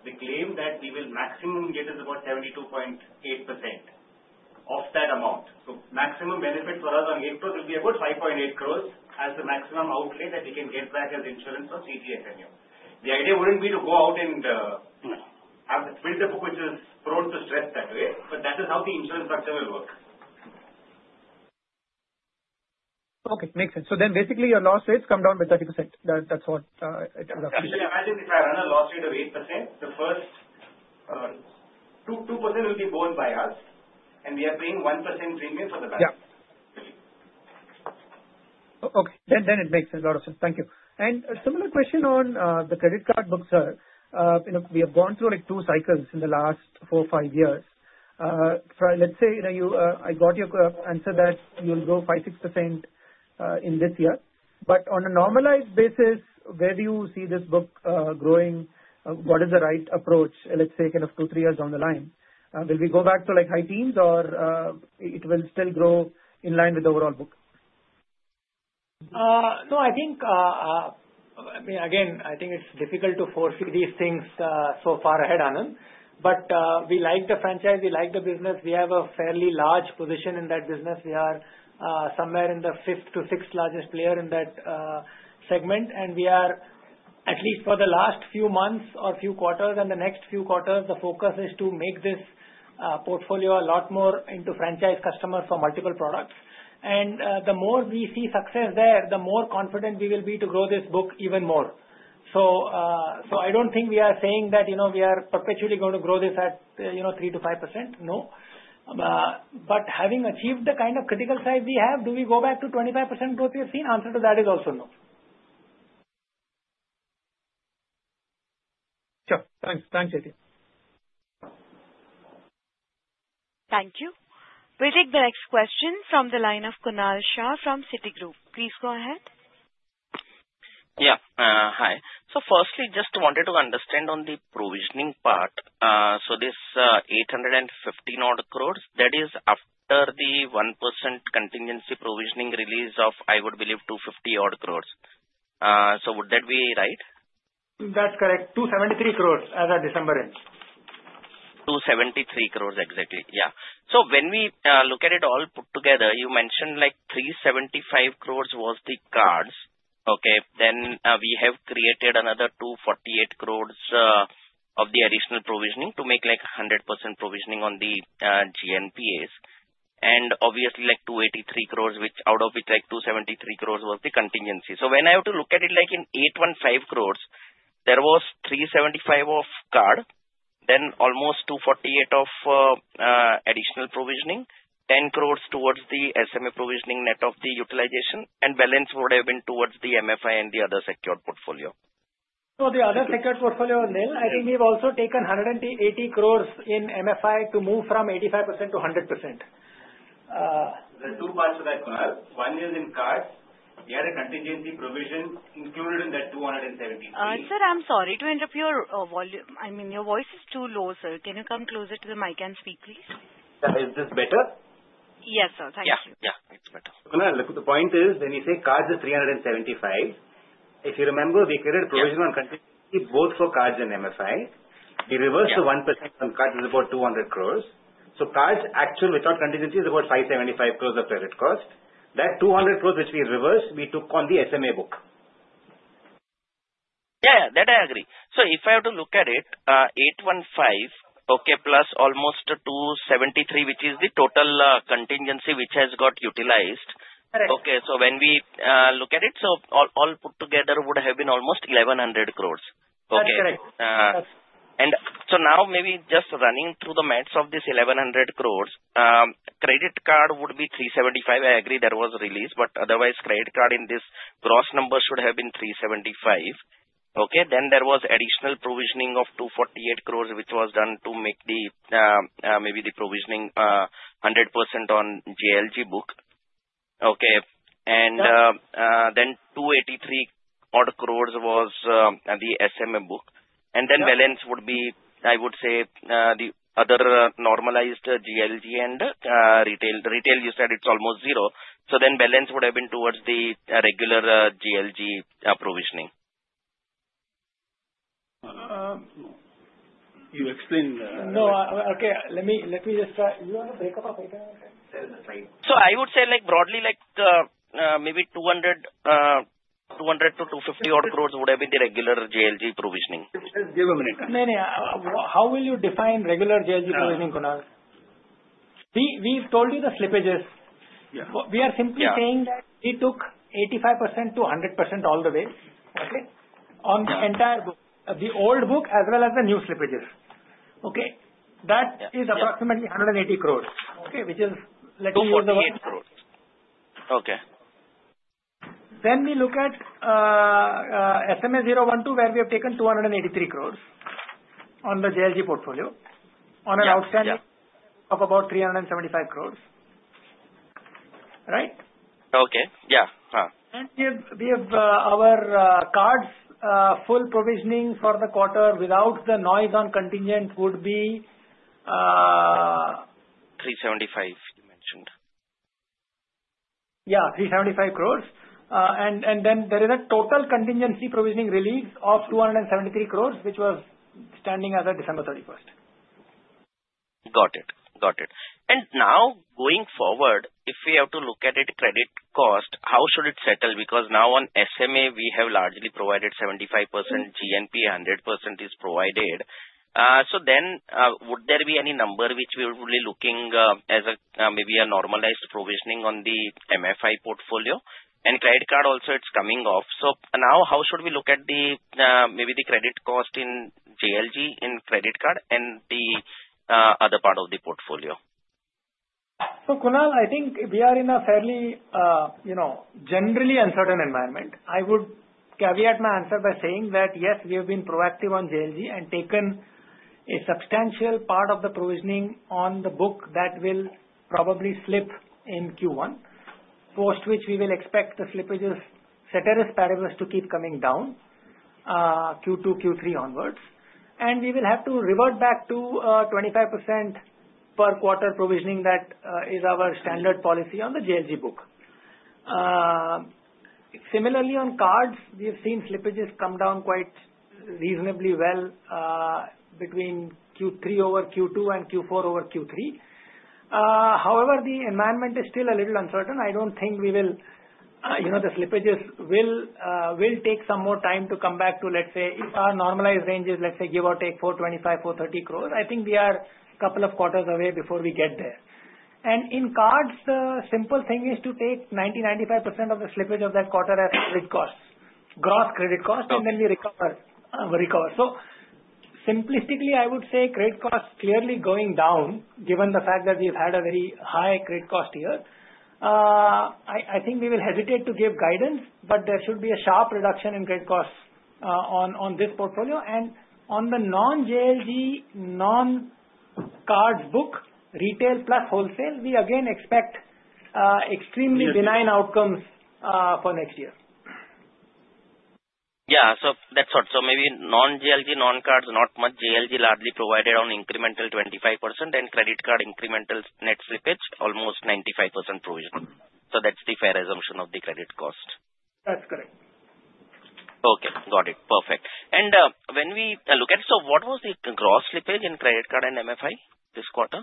The claim that we will maximum get is about 72.8% of that amount. Maximum benefit for us on 8 crores will be about 5.8 crores as the maximum outlay that we can get back as insurance on CGFMU. The idea wouldn't be to go out and build a book which is prone to stress that way, but that is how the insurance structure will work. Okay. Makes sense. So then basically, your loss rate comes down by 30%. That's what it is actually. Actually, imagine if I run a loss rate of 8%, the first 2% will be borne by us, and we are paying 1% premium for the bank. Yeah. Okay. Then it makes a lot of sense. Thank you. And similar question on the credit card book, sir. We have gone through two cycles in the last four, five years. Let's say I got your answer that you'll grow 5-6% in this year. But on a normalized basis, where do you see this book growing? What is the right approach? Let's say kind of two, three years down the line. Will we go back to high teens, or it will still grow in line with the overall book? No, I think again, I think it's difficult to foresee these things so far ahead, Anand. But we like the franchise. We like the business. We have a fairly large position in that business. We are somewhere in the fifth- to sixth-largest player in that segment. And we are, at least for the last few months or few quarters and the next few quarters, the focus is to make this portfolio a lot more into franchise customers for multiple products. And the more we see success there, the more confident we will be to grow this book even more. I don't think we are saying that we are perpetually going to grow this at 3%-5%. No. But having achieved the kind of critical size we have, do we go back to 25% growth we have seen? Answer to that is also no. Sure. Thanks. Thanks, Jaideep. Thank you. We'll take the next question from the line of Kunal Shah from Citigroup. Please go ahead. Yeah. Hi. So firstly, just wanted to understand on the provisioning part. So this 850-odd crores, that is after the 1% contingency provisioning release of, I would believe, 250-odd crores. So would that be right? That's correct. 273 crores as of December end. 273 crores, exactly. Yeah. So when we look at it all put together, you mentioned 375 crores was the cards. Okay. Then we have created another 248 crores of the additional provisioning to make 100% provisioning on the GNPAs. And obviously, 283 crores, out of which 273 crores was the contingency. So when I have to look at it in 815 crores, there was 375 crores of card, then almost 248 crores of additional provisioning, 10 crores towards the SMA provisioning net of the utilization, and balance would have been towards the MFI and the other secured portfolio. So the other secured portfolio on nil, I think we've also taken 180 crores in MFI to move from 85% to 100%. There are two parts to that, Kunal. One is in cards. We had a contingency provision included in that 270. Anand, sir, I'm sorry to interrupt your volume. I mean, your voice is too low, sir. Can you come closer to the mic and speak, please? Is this better? Yes, sir. Thank you. Yeah. Yeah. It's better. Kunal, look, the point is when you say cards is 375 crores, if you remember, we created provision on contingency both for cards and MFI. We reversed the 1% on cards is about 200 crores. So cards actual without contingency is about 575 crores of credit cost. That 200 crores which we reversed, we took on the SMA book. Yeah. That I agree. So if I have to look at it, 815 crores, okay, plus almost 273 crores, which is the total contingency which has got utilized. Okay. So when we look at it, so all put together would have been almost 1,100 crores. Okay. That's correct. And so now maybe just running through the math of this 1,100 crores, credit card would be 375 crores. I agree there was release, but otherwise, credit card in this gross number should have been 375 crores. Okay. Then there was additional provisioning of 248 crores, which was done to make maybe the provisioning 100% on JLG book. Okay. And then 283 odd crores was the SMA book. And then balance would be, I would say, the other normalized JLG and retail. Retail, you said it's almost zero. So then balance would have been towards the regular JLG provisioning. You explain the. No. Okay. Let me just try. Do you want to break up our breakdown? So I would say broadly, maybe 200-250 odd crores would have been the regular JLG provisioning. Give a minute. No, no. How will you define regular JLG provisioning, Kunal? We've told you the slippages. We are simply saying that we took 85%-100% all the way, okay, on the entire book, the old book as well as the new slippages. Okay. That is approximately 180 crores, okay, which is, let's say, for the crores. Okay. Then we look at SMA 0,1,2, where we have taken 283 crores on the JLG portfolio on an outstanding of about 375 crores. Right? Okay. Yeah. And we have our cards full provisioning for the quarter without the noise on contingent would be. 375 you mentioned. Yeah. 375 crores. And then there is a total contingency provisioning release of 273 crores, which was standing as of December 31st. Got it. Got it. And now going forward, if we have to look at it, credit cost, how should it settle? Because now on SMA, we have largely provided 75% GNPA, 100% is provided. So then would there be any number which we would be looking as maybe a normalized provisioning on the MFI portfolio? And credit card also, it's coming off. So now, how should we look at maybe the credit cost in JLG in credit card and the other part of the portfolio? So Kunal, I think we are in a fairly generally uncertain environment. I would caveat my answer by saying that, yes, we have been proactive on JLG and taken a substantial part of the provisioning on the book that will probably slip in Q1, post which we will expect the slippages, ceteris paribus, to keep coming down Q2, Q3 onwards and we will have to revert back to 25% per quarter provisioning that is our standard policy on the JLG book. Similarly, on cards, we have seen slippages come down quite reasonably well between Q3 over Q2 and Q4 over Q3. However, the environment is still a little uncertain. I don't think the slippages will take some more time to come back to, let's say, if our normalized range is, let's say, give or take 425 crore-430 crore, I think we are a couple of quarters away before we get there. In cards, the simple thing is to take 90%-95% of the slippage of that quarter as credit costs, gross credit cost, and then we recover. Simplistically, I would say credit costs clearly going down given the fact that we've had a very high credit cost year. I think we will hesitate to give guidance, but there should be a sharp reduction in credit costs on this portfolio. On the non-JLG, non-cards book, retail plus wholesale, we again expect extremely benign outcomes for next year. Yeah. That's what. So maybe non-JLG, non-cards, not much JLG, largely provided on incremental 25% and credit card incremental net slippage, almost 95% provision. So that's the fair assumption of the credit cost. That's correct. Okay. Got it. Perfect. And when we look at it, so what was the gross slippage in credit card and MFI this quarter?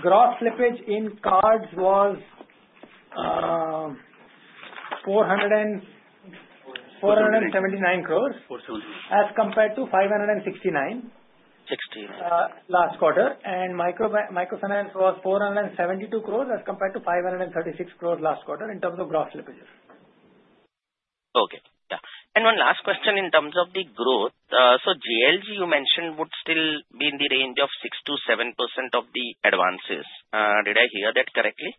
Gross slippage in cards was 479 crores as compared to 569 crores last quarter. And microfinance was 472 crores as compared to 536 crores last quarter in terms of gross slippage. Okay. Yeah. And one last question in terms of the growth. So JLG, you mentioned, would still be in the range of 6%-7% of the advances. Did I hear that correctly?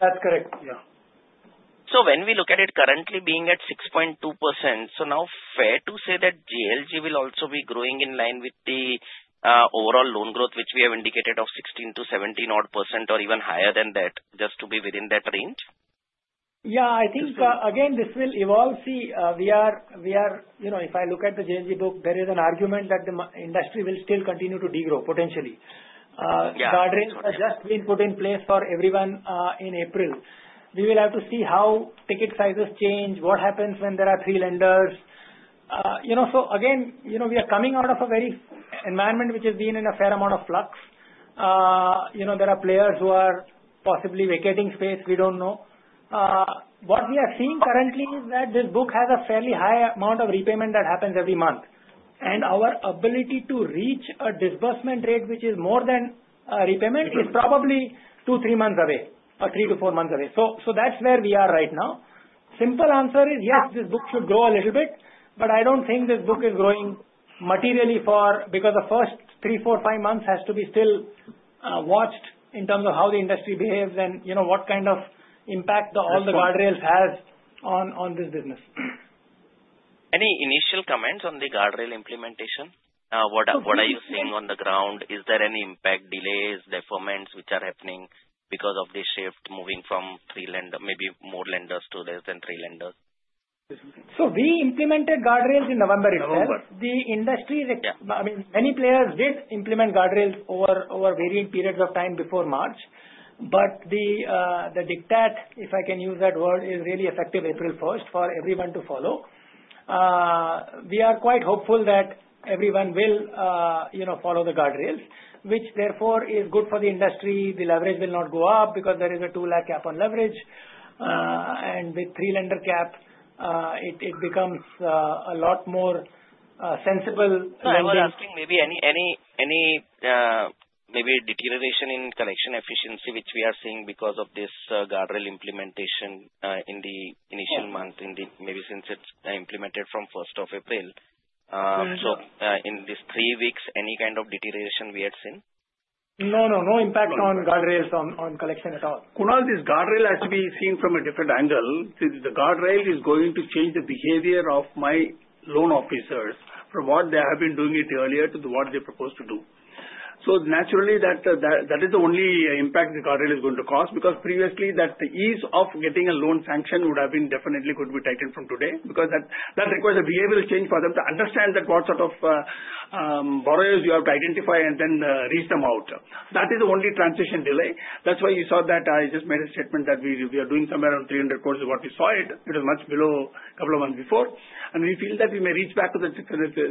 That's correct. Yeah. So when we look at it currently being at 6.2%, so now fair to say that JLG will also be growing in line with the overall loan growth, which we have indicated of 16%-17% odd or even higher than that, just to be within that range? Yeah. I think, again, this will evolve. See, if I look at the JLG book, there is an argument that the industry will still continue to degrow potentially. Guardrails have just been put in place for everyone in April. We will have to see how ticket sizes change, what happens when there are three lenders. So again, we are coming out of an environment which has been in a fair amount of flux. There are players who are possibly vacating space. We don't know. What we are seeing currently is that this book has a fairly high amount of repayment that happens every month. And our ability to reach a disbursement rate, which is more than repayment, is probably two, three months away or three to four months away. So that's where we are right now. Simple answer is, yes, this book should grow a little bit, but I don't think this book is growing materially because the first three, four, five months has to be still watched in terms of how the industry behaves and what kind of impact all the guardrails have on this business. Any initial comments on the guardrail implementation? What are you seeing on the ground? Is there any impact delays, deferments which are happening because of this shift moving from three lenders, maybe more lenders to less than three lenders? So we implemented guardrails in November itself. The industry, I mean, many players did implement guardrails over varying periods of time before March. But the diktat, if I can use that word, is really effective April 1st for everyone to follow. We are quite hopeful that everyone will follow the guardrails, which therefore is good for the industry. The leverage will not go up because there is a 2 lakh cap on leverage. And with three-lender cap, it becomes a lot more sensible. Now I was asking maybe any deterioration in collection efficiency which we are seeing because of this guardrail implementation in the initial month, maybe since it's implemented from 1st of April. So in these three weeks, any kind of deterioration we had seen? No, no. No impact on guardrails on collection at all. Kunal, this guardrail has to be seen from a different angle. The guardrail is going to change the behavior of my loan officers from what they have been doing it earlier to what they propose to do. So naturally, that is the only impact the guardrail is going to cause because previously, the ease of getting a loan sanction would have been. Definitely could be tightened from today because that requires a behavioral change for them to understand what sort of borrowers you have to identify and then reach them out. That is the only transition delay. That's why you saw that I just made a statement that we are doing somewhere around 300 crores is what we saw it. It was much below a couple of months before, and we feel that we may reach back to the 650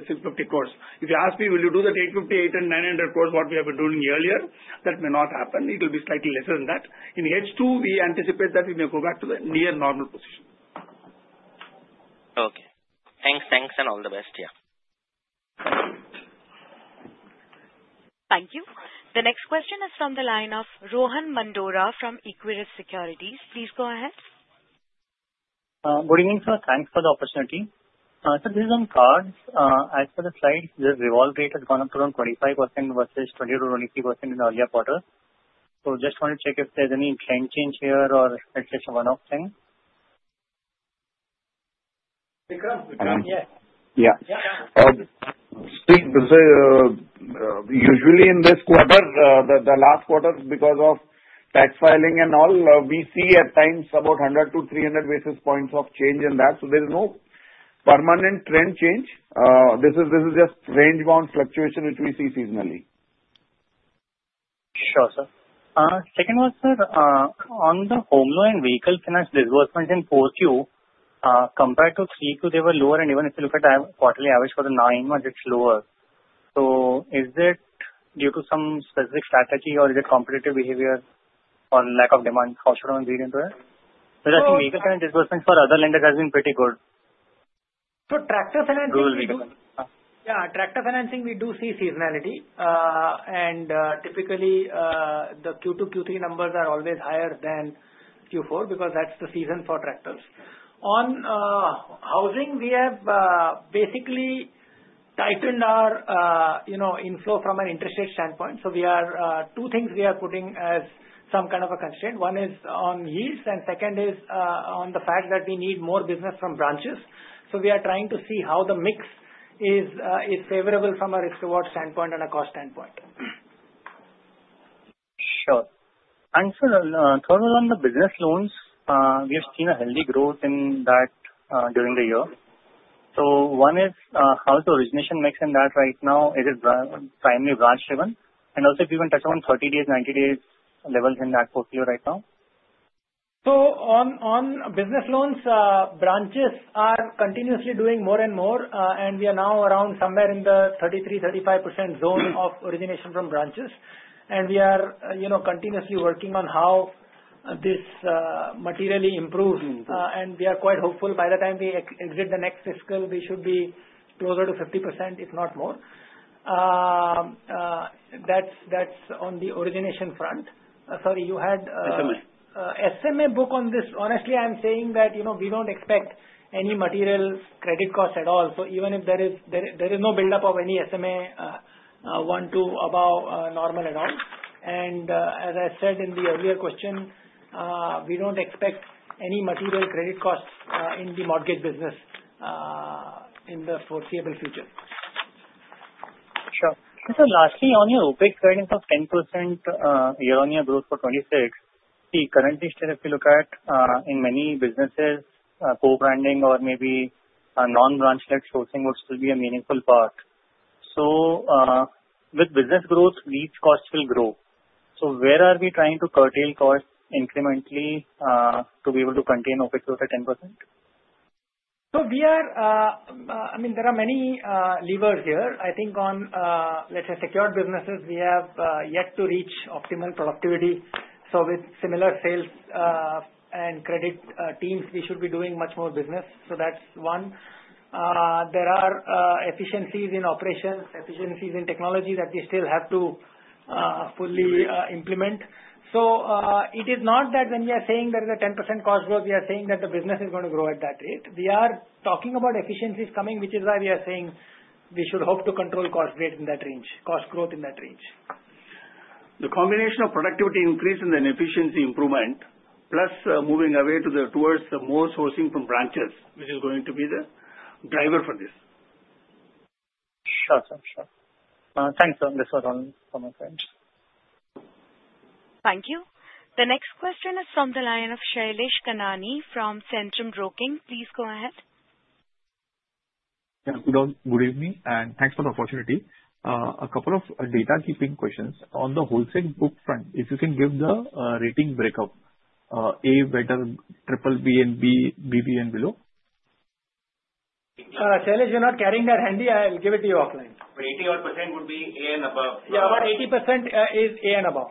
crores. If you ask me, will you do that 858 crore and 900 crore what we have been doing earlier, that may not happen. It will be slightly lesser than that. In H2, we anticipate that we may go back to the near normal position. Okay. Thanks. Thanks. And all the best. Yeah. Thank you. The next question is from the line of Rohan Mandora from Equirus Securities. Please go ahead. Good evening, sir. Thanks for the opportunity. So this is on cards. As per the slides, the revolve rate has gone up around 25% versus 20%-23% in the earlier quarter. So just want to check if there's any trend change here or just a one-off thing. [Bikram? Bikram?] Yes. Yeah. See, usually in this quarter, the last quarter, because of tax filing and all, we see at times about 100-300 basis points of change in that. There is no permanent trend change. This is just range-bound fluctuation which we see seasonally. Sure, sir. Second one, sir, on the home loan and vehicle finance disbursements in post-Q3, compared to 3Q, they were lower. And even if you look at the quarterly average for the nine months, it's lower. Is it due to some specific strategy, or is it competitive behavior, or lack of demand? How should I be doing to it? Because I think vehicle finance disbursements for other lenders have been pretty good. Tractor financing, we do. Yeah. Tractor financing, we do see seasonality. And typically, the Q2, Q3 numbers are always higher than Q4 because that's the season for tractors. On housing, we have basically tightened our inflow from an interest rate standpoint. Two things we are putting as some kind of a constraint. One is on [helps], and second is on the fact that we need more business from branches. So we are trying to see how the mix is favorable from a risk-to-reward standpoint and a cost standpoint. Sure. Thanks. And further on the business loans, we have seen a healthy growth in that during the year. So one is how is the origination mix in that right now? Is it primarily branch-driven? And also, if you can touch on 30 days, 90 days levels in that portfolio right now. So on business loans, branches are continuously doing more and more. And we are now around somewhere in the 33%-35% zone of origination from branches. And we are continuously working on how this materially improves. And we are quite hopeful by the time we exit the next fiscal, we should be closer to 50%, if not more. That's on the origination front. Sorry, you had. SMA. SMA book on this. Honestly, I'm saying that we don't expect any material credit cost at all. So even if there is no buildup of any SMA 1, 2 above normal at all. And as I said in the earlier question, we don't expect any material credit costs in the mortgage business in the foreseeable future. Sure. And so lastly, on your OpEx earnings of 10% year-on-year growth for 2026, the currently still if we look at in many businesses, co-branding or maybe non-branch-led sourcing would still be a meaningful part. So with business growth, these costs will grow. So where are we trying to curtail costs incrementally to be able to contain OpEx growth at 10%? So we are. I mean, there are many levers here. I think on, let's say, secured businesses, we have yet to reach optimal productivity. With similar sales and credit teams, we should be doing much more business. That is one. There are efficiencies in operations, efficiencies in technology that we still have to fully implement. It is not that when we are saying there is a 10% cost growth, we are saying that the business is going to grow at that rate. We are talking about efficiencies coming, which is why we are saying we should hope to control cost growth in that range, cost growth in that range. The combination of productivity increase and then efficiency improvement, plus moving away towards more sourcing from branches, which is going to be the driver for this. Sure. Sure. Sure. Thanks, sir. This was all from my side. Thank you. The next question is from the line of Shailesh Kanani from Centrum Broking. Please go ahead. Good evening, and thanks for the opportunity. A couple of data-keeping questions. On the wholesale book front, if you can give the rating breakup, A and better, BBB, and BB and below? Shailesh, you're not carrying that handy. I'll give it to you offline. But 80%-odd would be A and above. Yeah. About 80% is A and above.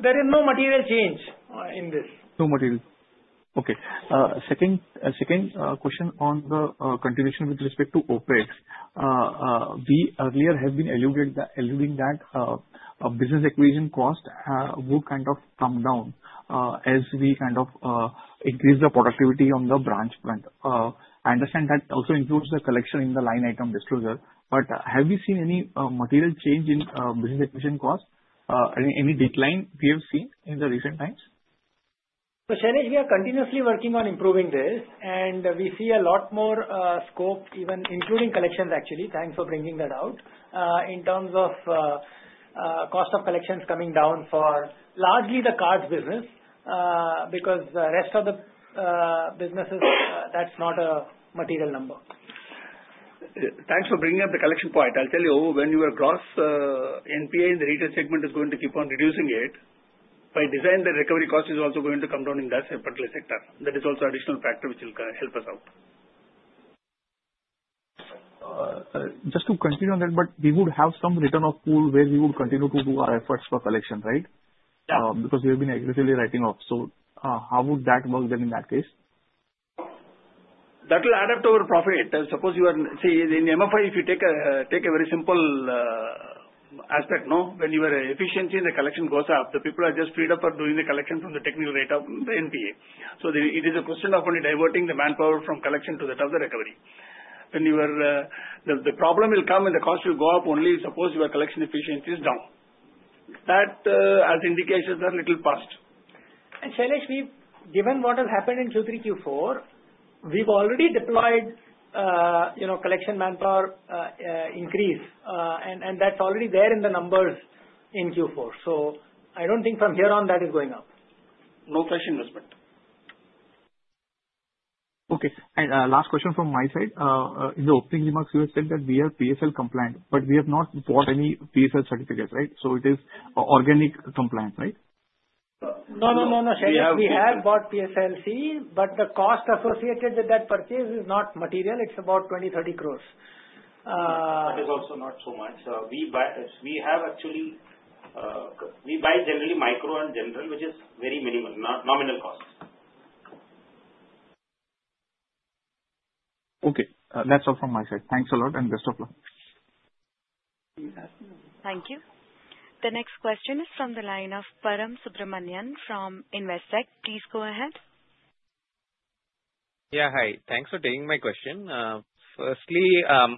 There is no material change in this. No material. Okay. Second question on the continuation with respect to OpEx, we earlier have been alluding that business acquisition cost would kind of come down as we kind of increase the productivity on the branch front. I understand that also includes the collection in the line item disclosure. But have we seen any material change in business acquisition cost? Any decline we have seen in the recent times? So Shailesh, we are continuously working on improving this. And we see a lot more scope, even including collections, actually. Thanks for bringing that out. In terms of cost of collections coming down for largely the cards business because the rest of the businesses, that's not a material number. Thanks for bringing up the collection point. I'll tell you, when you are across NPA, the retail segment is going to keep on reducing it. By design, the recovery cost is also going to come down in that particular sector. That is also an additional factor which will help us out. Just to continue on that, but we would have some return of pool where we would continue to do our efforts for collection, right? Because we have been aggressively writing off. So how would that work then in that case? That will add up to our profit. Suppose you see, in MFI, if you take a very simple aspect, when your efficiency in the collection goes up, the people are just freed up for doing the collection from the technical rate of the NPA. So it is a question of only diverting the manpower from collection to that of the recovery. When the problem will come and the cost will go up only if suppose your collection efficiency is down. The indications are a little past. And Shailesh, given what has happened in Q3, Q4, we've already deployed collection manpower increase. And that's already there in the numbers in Q4. So I don't think from here on that is going up. No question in respect. Okay. And last question from my side. In the opening remarks, you had said that we are PSL compliant, but we have not bought any PSL certificates, right? So it is organic compliance, right? No, no, no, no. Shailesh, we have bought PSLC, but the cost associated with that purchase is not material. It's about 20-30 crore. That is also not so much. We have actually we buy generally micro and general, which is very minimal, nominal cost. Okay. That's all from my side. Thanks a lot and best of luck. Thank you. The next question is from the line of Param Subramanian from Investec. Please go ahead. Yeah. Hi. Thanks for taking my question. Firstly,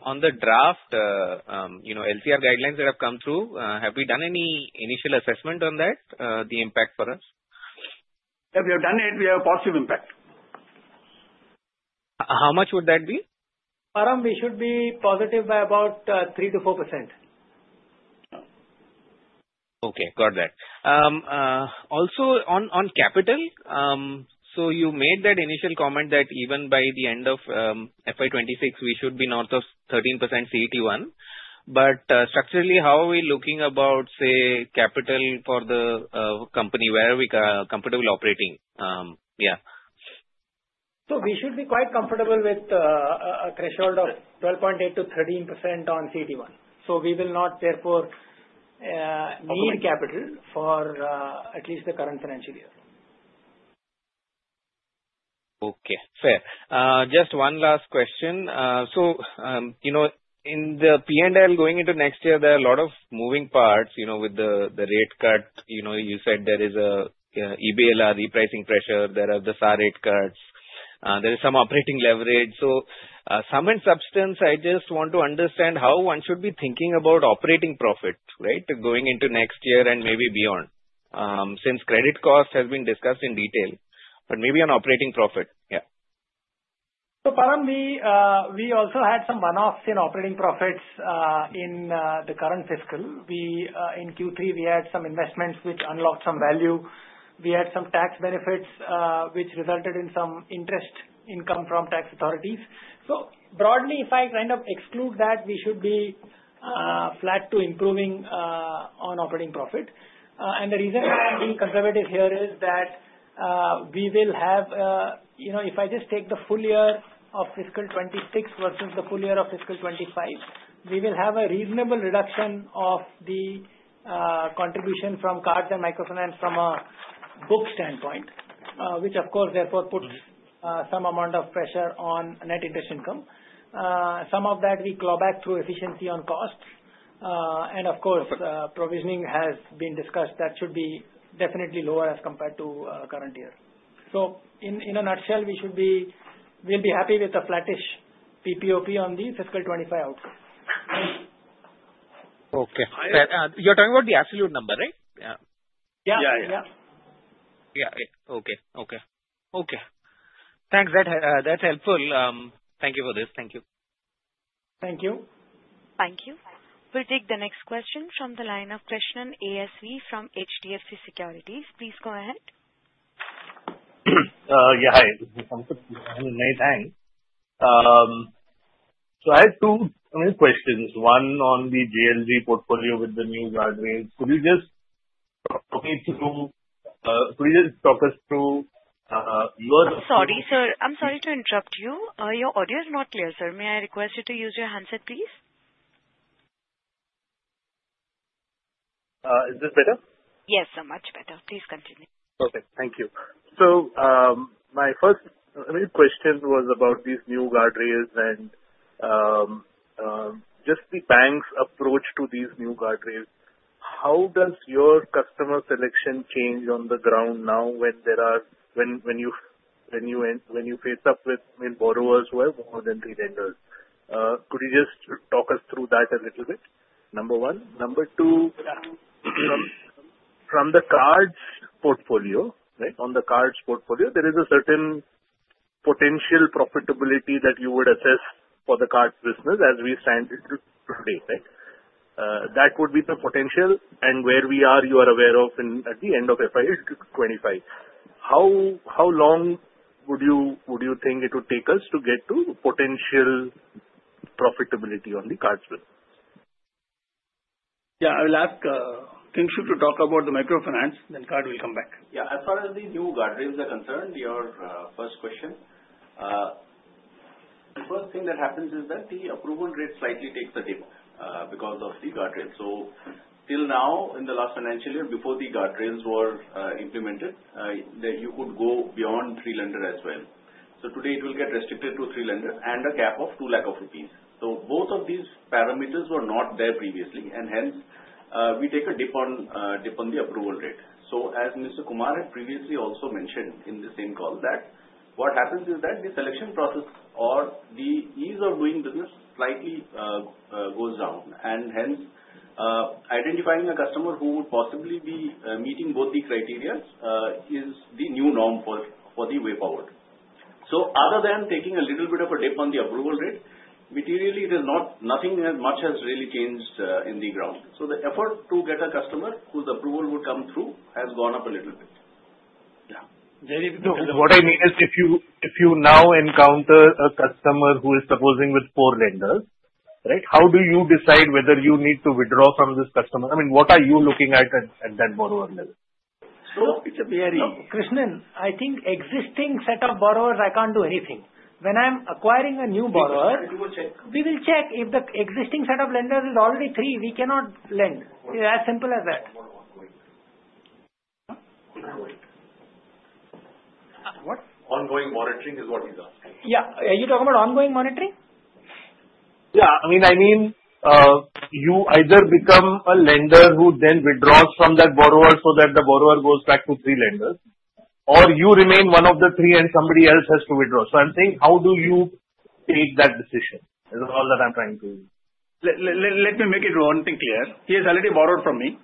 on the draft LCR guidelines that have come through, have we done any initial assessment on that, the impact for us? Yeah. We have done it. We have a positive impact. How much would that be? Param, we should be positive by about 3%-4%. Okay. Got that. Also, on capital, so you made that initial comment that even by the end of FY 2026, we should be north of 13% CET1. But structurally, how are we looking about, say, capital for the company where we are comfortable operating? Yeah. So we should be quite comfortable with a threshold of 12.8%-13% on CET1. So we will not, therefore, need capital for at least the current financial year. Okay. Fair. Just one last question. So in the P&L going into next year, there are a lot of moving parts with the rate cut. You said there is a EBLR repricing pressure. There are the SAR rate cuts. There is some operating leverage. So sum and substance, I just want to understand how one should be thinking about operating profit, right, going into next year and maybe beyond, since credit cost has been discussed in detail. But maybe on operating profit. Yeah. So Param, we also had some one-offs in operating profits in the current fiscal. In Q3, we had some investments which unlocked some value. We had some tax benefits which resulted in some interest income from tax authorities. So broadly, if I kind of exclude that, we should be flat to improving on operating profit. The reason why I'm being conservative here is that we will have, if I just take the full year of fiscal 2026 versus the full year of fiscal 2025, a reasonable reduction of the contribution from cards and microfinance from a book standpoint, which, of course, therefore puts some amount of pressure on net interest income. Some of that we claw back through efficiency on costs. Of course, provisioning has been discussed. That should be definitely lower as compared to current year. In a nutshell, we'll be happy with a flattish PPOP on the fiscal 2025 outcome. Okay. You're talking about the absolute number, right? Yeah. Yeah. Yeah. Yeah. Yeah. Okay. Okay. Okay. Thanks. That's helpful. Thank you for this. Thank you. Thank you. Thank you. We'll take the next question from the line of Krishnan ASV from HDFC Securities. Please go ahead. Yeah. Hi. This is [Anupat]. Hi. Thanks. So I have two questions. One on the JLG portfolio with the new guardrails. Could you just talk us through your. Sorry, sir. I'm sorry to interrupt you. Your audio is not clear, sir. May I request you to use your handset, please? Is this better? Yes. So much better. Please continue. Okay. Thank you. So my first question was about these new guardrails and just the bank's approach to these new guardrails. How does your customer selection change on the ground now when you faced with borrowers who have more than three lenders? Could you just talk us through that a little bit? Number one. Number two, from the cards portfolio, right, on the cards portfolio, there is a certain potential profitability that you would assess for the cards business as we stand today, right? That would be the potential and where we are, you are aware of at the end of FY 2025. How long would you think it would take us to get to potential profitability on the cards business? Yeah. I will ask Krishnan to talk about the microfinance, then cards will come back. Yeah. As far as the new guardrails are concerned, your first question, the first thing that happens is that the approval rate slightly takes a dip because of the guardrails. Till now, in the last financial year, before the guardrails were implemented, you could go beyond three lenders as well. Today, it will get restricted to three lenders and a cap of 2 lakhs rupees. Both of these parameters were not there previously. And hence, we take a dip on the approval rate. As Mr. Kumar had previously also mentioned in the same call that what happens is that the selection process or the ease of doing business slightly goes down, and hence, identifying a customer who would possibly be meeting both the criteria is the new norm for the way forward. So other than taking a little bit of a dip on the approval rate, materially, nothing much has really changed on the ground, so the effort to get a customer whose approval would come through has gone up a little bit. Yeah. What I mean is if you now encounter a customer who is proposing with four lenders, right, how do you decide whether you need to withdraw from this customer? I mean, what are you looking at that borrower level? So, Krishnan, I think existing set of borrowers, I can't do anything. When I'm acquiring a new borrower, we will check. We will check if the existing set of lenders is already three. We cannot lend. It's as simple as that. What? Ongoing monitoring is what he's asking. Yeah. Are you talking about ongoing monitoring? Yeah. I mean, you either become a lender who then withdraws from that borrower so that the borrower goes back to three lenders, or you remain one of the three and somebody else has to withdraw. So I'm saying, how do you take that decision? That's all that I'm trying to. Let me make one thing clear. He has already borrowed from me.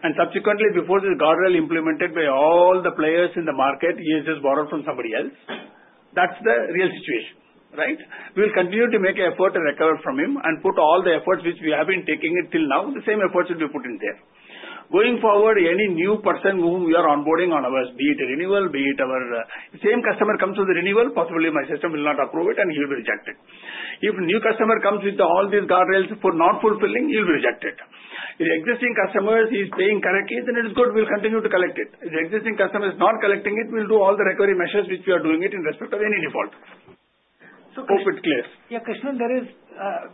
And subsequently, before this guardrail implemented by all the players in the market, he has just borrowed from somebody else. That's the real situation, right? We will continue to make an effort to recover from him and put all the efforts which we have been taking until now, the same efforts that we put in there. Going forward, any new person whom we are onboarding on ours, be it renewal, be it our same customer comes with the renewal, possibly my system will not approve it, and he will be rejected. If a new customer comes with all these guardrails for not fulfilling, he will be rejected. If existing customers he's paying correctly, then it is good. We'll continue to collect it. If existing customer is not collecting it, we'll do all the recovery measures which we are doing it in respect of any default. So Krishnan. Hope it's clear. Yeah. Krishnan,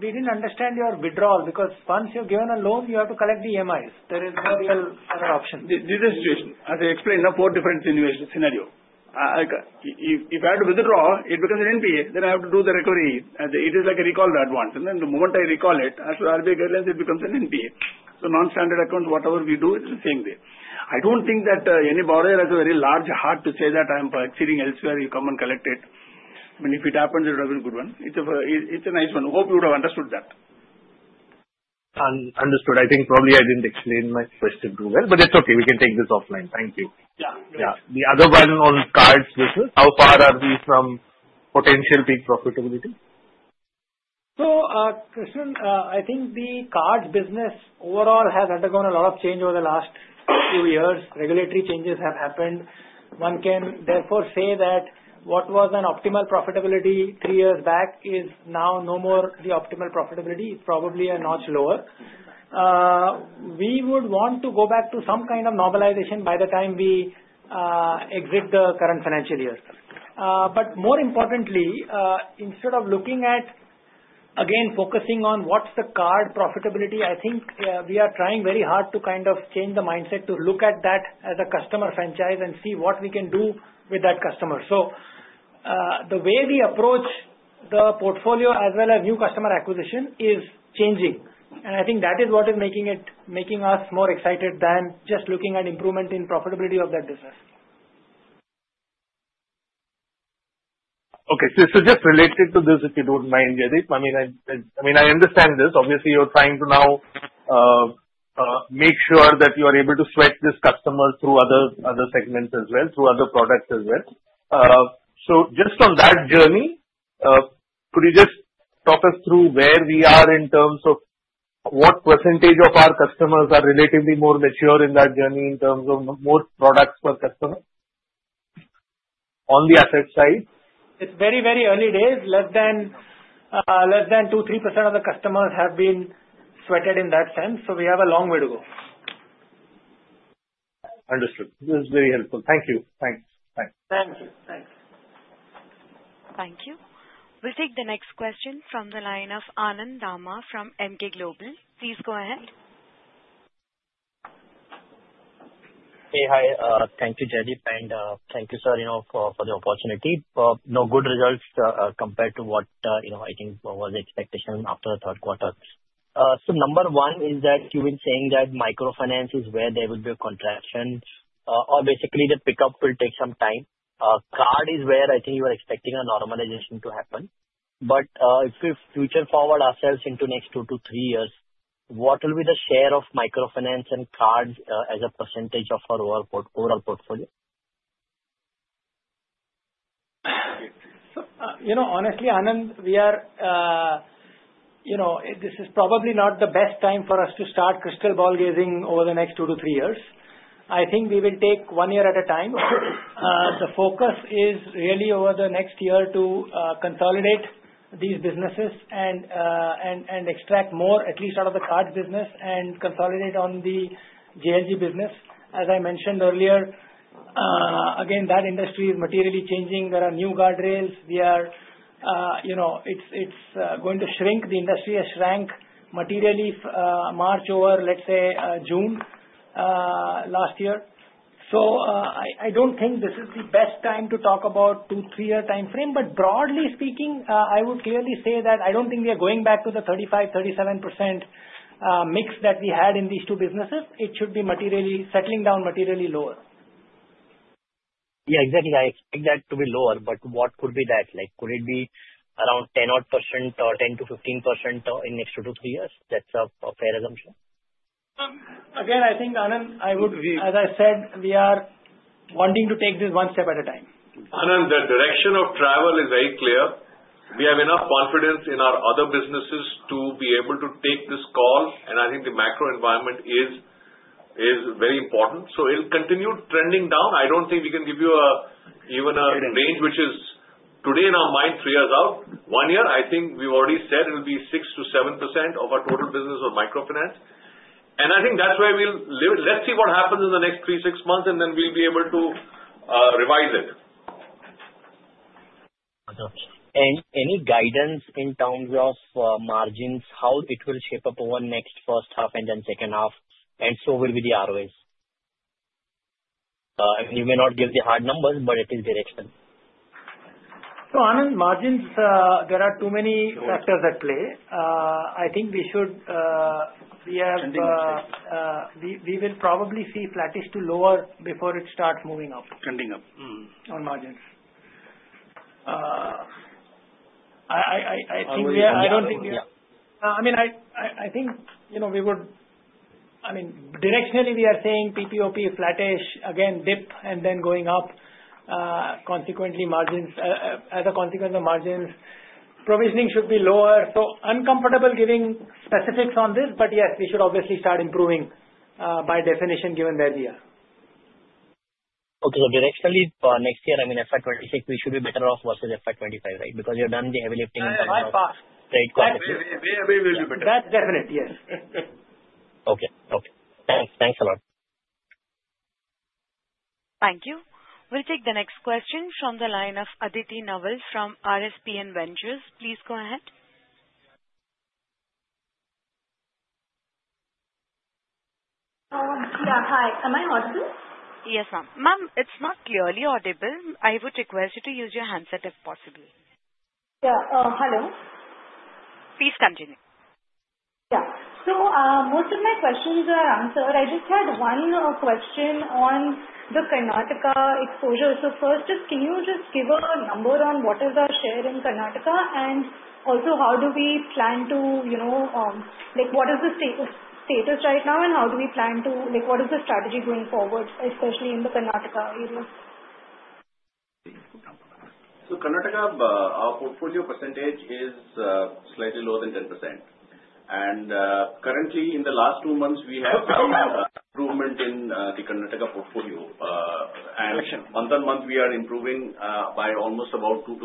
we didn't understand your withdrawal because once you've given a loan, you have to collect the MIs. There is no real other option. This is the situation. As I explained, four different scenarios. If I had to withdraw, it becomes an NPA. Then I have to do the recovery. It is like a recall at once. And then the moment I recall it, as well as the guidelines, it becomes an NPA. So non-standard accounts, whatever we do, it's the same there. I don't think that any borrower has a very large heart to say that I'm exceeding elsewhere. You come and collect it. I mean, if it happens, it would have been a good one. It's a nice one. Hope you would have understood that. Understood. I think probably I didn't explain my question too well. But that's okay. We can take this offline. Thank you. Yeah. The other one on cards business, how far are we from potential peak profitability? So Krishnan, I think the cards business overall has undergone a lot of change over the last few years. Regulatory changes have happened. One can therefore say that what was an optimal profitability three years back is now no more the optimal profitability. It's probably a notch lower. We would want to go back to some kind of normalization by the time we exit the current financial year. But more importantly, instead of looking at, again, focusing on what's the card profitability, I think we are trying very hard to kind of change the mindset to look at that as a customer franchise and see what we can do with that customer. So the way we approach the portfolio as well as new customer acquisition is changing. And I think that is what is making us more excited than just looking at improvement in profitability of that business. Okay. So, just related to this, if you don't mind, Jaideep, I mean, I understand this. Obviously, you're trying to now make sure that you are able to sweat this customer through other segments as well, through other products as well. So just on that journey, could you just talk us through where we are in terms of what percentage of our customers are relatively more mature in that journey in terms of more products per customer on the asset side? It's very, very early days. Less than 2%-3% of the customers have been sweated in that sense. So we have a long way to go. Understood. This is very helpful. Thank you. Thanks. Thanks. Thank you. Thanks. Thank you. We'll take the next question from the line of Anand Dama from Emkay Global. Please go ahead. Hey. Hi. Thank you, Jaideep. And thank you, sir, for the opportunity. No good results compared to what I think was the expectation after the third quarter. So number one is that you've been saying that microfinance is where there would be a contraction or basically the pickup will take some time. Cards is where I think you are expecting a normalization to happen. But if we fast forward ourselves into next two to three years, what will be the share of microfinance and cards as a percentage of our overall portfolio? Honestly, Anand, this is probably not the best time for us to start crystal ball gazing over the next two to three years. I think we will take one year at a time. The focus is really over the next year to consolidate these businesses and extract more at least out of the cards business and consolidate on the JLG business. As I mentioned earlier, again, that industry is materially changing. There are new guardrails. It's going to shrink. The industry has shrank materially March over, let's say, June last year. So I don't think this is the best time to talk about two to three-year time frame. But broadly speaking, I would clearly say that I don't think we are going back to the 35%-37% mix that we had in these two businesses. It should be materially settling down materially lower. Yeah. Exactly. I expect that to be lower. But what could be that? Could it be around 10%-odd or 10%-15% in next two to three years? That's a fair assumption. Again, I think, Anand, I would, as I said, we are wanting to take this one step at a time. Anand, the direction of travel is very clear. We have enough confidence in our other businesses to be able to take this call. And I think the macro environment is very important. So it'll continue trending down. I don't think we can give you even a range which is today in our mind, three years out, one year. I think we've already said it'll be 6%-7% of our total business or microfinance. And I think that's where we'll live. Let's see what happens in the next three, six months, and then we'll be able to revise it. Any guidance in terms of margins, how it will shape up over next first half and then second half, and so will be the ROAs? You may not give the hard numbers, but it is direction. So Anand, margins, there are too many factors at play. I think we should. We will probably see flattish to lower before it starts moving up. Trending up. On margins. I don't think we are. I mean, I think we would, I mean, directionally, we are seeing PPOP flattish, again, dip, and then going up, as a consequence of margins. Provisioning should be lower. I'm uncomfortable giving specifics on this, but yes, we should obviously start improving by definition given where we are. Okay. So directionally, for next year, I mean, FY 2026, we should be better off versus FY 2025, right? Because you've done the heavy lifting in terms of. Yeah. By far. Right. Quality. We will be better. That's definite. Yes. Okay. Okay. Thanks. Thanks a lot. Thank you. We'll take the next question from the line of Aditi Naval from RSPN Ventures. Please go ahead. Yeah. Hi. Am I audible? Yes, ma'am. Ma'am, it's not clearly audible. I would request you to use your handset if possible. Yeah. Hello. Please continue. Yeah. So most of my questions are answered. I just had one question on the Karnataka exposure. So first, just can you just give a number on what is our share in Karnataka? And also, how do we plan to what is the status right now, and how do we plan to what is the strategy going forward, especially in the Karnataka area? So Karnataka, our portfolio percentage is slightly lower than 10%. And currently, in the last two months, we have seen improvement in the Karnataka portfolio. And month on month, we are improving by almost about 2%-3%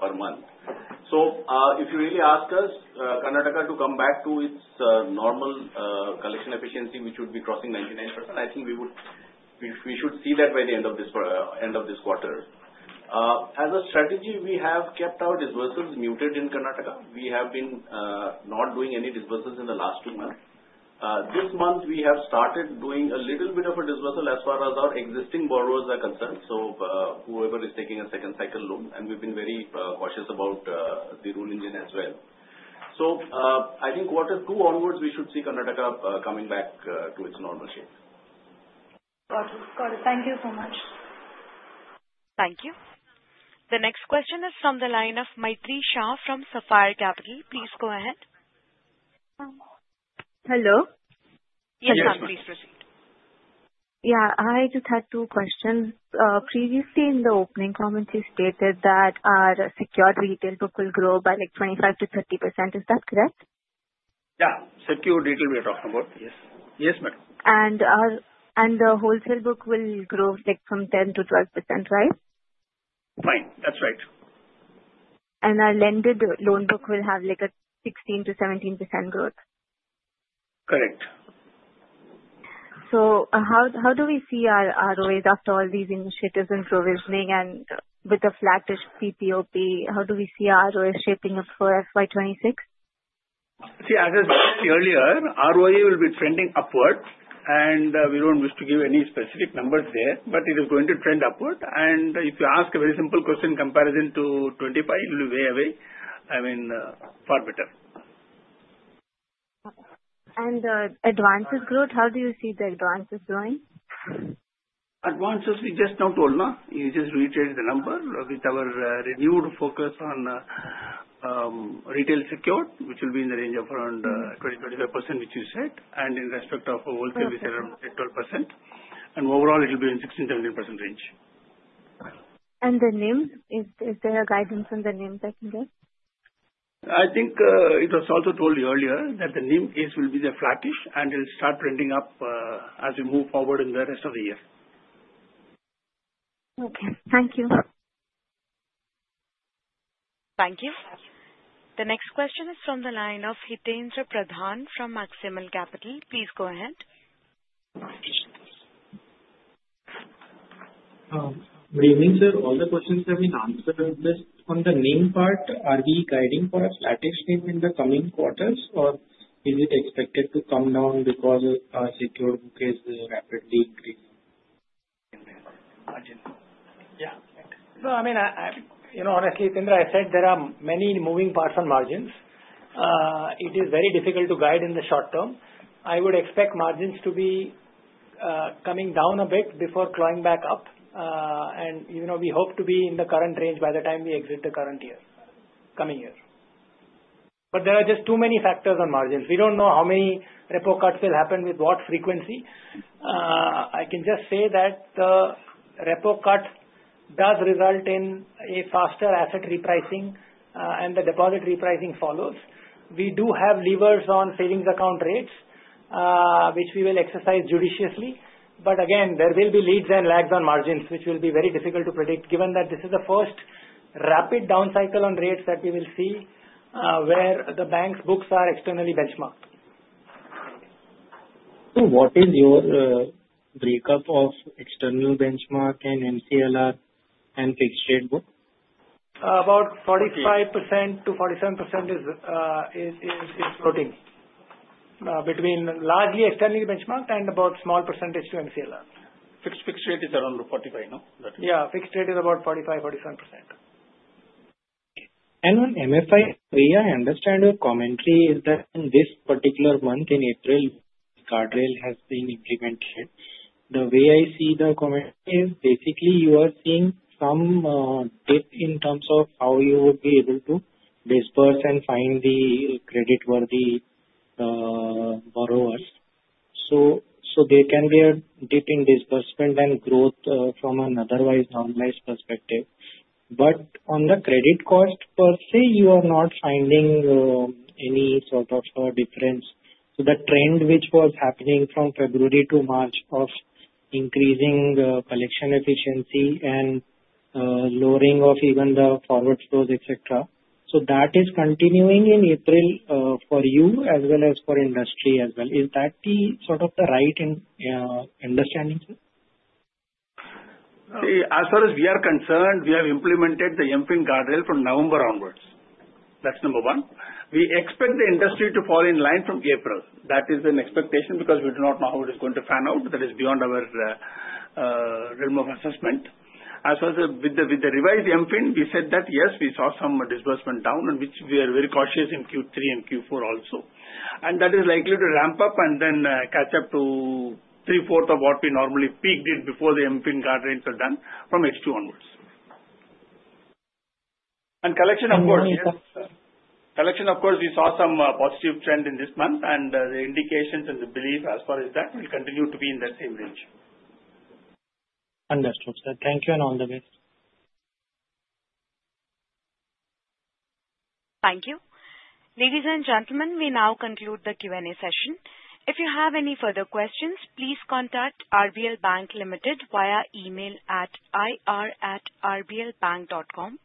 per month. So if you really ask us, Karnataka to come back to its normal collection efficiency, which would be crossing 99%, I think we should see that by the end of this quarter. As a strategy, we have kept our disbursals muted in Karnataka. We have been not doing any disbursals in the last two months. This month, we have started doing a little bit of a disbursal as far as our existing borrowers are concerned, so whoever is taking a second cycle loan. And we've been very cautious about the rule engine as well. So I think quarter two onwards, we should see Karnataka coming back to its normal shape. Got it. Got it. Thank you so much. Thank you. The next question is from the line of Maitri Shah from Sapphire Capital. Please go ahead. Hello. Yes, ma'am. Please proceed. Yeah. I just had two questions. Previously, in the opening comment, you stated that our secured retail book will grow by 25%-30%. Is that correct? Yeah. Secured retail we are talking about. Yes. Yes, ma'am. The wholesale book will grow from 10%-12%, right? Fine. That's right. Our lending loan book will have a 16%-17% growth. Correct. So how do we see our ROAs after all these initiatives and provisioning and with the flattish PPOP? How do we see our ROA shaping up for FY 2026? See, as I said earlier, ROA will be trending upward. We don't wish to give any specific numbers there. But it is going to trend upward. If you ask a very simple question in comparison to 2025, it will be way ahead. I mean, far better. Advances growth? How do you see the advances growing? Advances, we just now told. You just reiterate the number with our renewed focus on retail secured, which will be in the range of around 20%-25%, which you said, and in respect of wholesale, we said around 12%. And overall, it will be in 16%-17% range. And the NIM, is there a guidance on the NIM that you give? I think it was also told earlier that the NIM case will be the flattish, and it'll start trending up as we move forward in the rest of the year. Okay. Thank you. Thank you. The next question is from the line of Hiten Jain from Maximal Capital. Please go ahead. Good evening, sir. All the questions have been answered. Just on the NIM part, are we guiding for a flattish NIM in the coming quarters, or is it expected to come down because our secured book is rapidly increasing? Yeah. I mean, honestly, Hiten, I said there are many moving parts on margins. It is very difficult to guide in the short term. I would expect margins to be coming down a bit before climbing back up. And we hope to be in the current range by the time we exit the current year, coming year. But there are just too many factors on margins. We don't know how many repo cuts will happen with what frequency. I can just say that the repo cut does result in a faster asset repricing, and the deposit repricing follows. We do have levers on savings account rates, which we will exercise judiciously. But again, there will be leads and lags on margins, which will be very difficult to predict given that this is the first rapid down cycle on rates that we will see where the bank's books are externally benchmarked. So what is your breakup of external benchmark and MCLR and fixed rate book? About 45%-47% is floating between largely externally benchmarked and about small percentage to MCLR. Fixed rate is around 45%, no? Yeah. Fixed rate is about 45%-47%. And on MFI, per your, I understand your commentary is that in this particular month, in April, guardrail has been implemented. The way I see the commentary is basically you are seeing some dip in terms of how you would be able to disburse and find the credit-worthy borrowers. So there can be a dip in disbursement and growth from an otherwise normalized perspective. But on the credit cost per se, you are not finding any sort of difference. The trend which was happening from February to March of increasing collection efficiency and lowering of even the forward flows, etc., so that is continuing in April for you as well as for industry as well. Is that the sort of the right understanding, sir? As far as we are concerned, we have implemented the MFIN guardrail from November onwards. That's number one. We expect the industry to fall in line from April. That is an expectation because we do not know how it is going to fan out. That is beyond our realm of assessment. As far as with the revised MFIN, we said that yes, we saw some disbursement down, which we are very cautious in Q3 and Q4 also. And that is likely to ramp up and then catch up to three-fourths of what we normally peaked it before the MFIN guardrail was done from H2 onwards. And collection, of course, yes. Collection, of course, we saw some positive trend in this month, and the indications and the belief as far as that will continue to be in that same range. Understood, sir. Thank you and all the best. Thank you. Ladies and gentlemen, we now conclude the Q&A session. If you have any further questions, please contact RBL Bank Limited via email at ir@rblbank.com.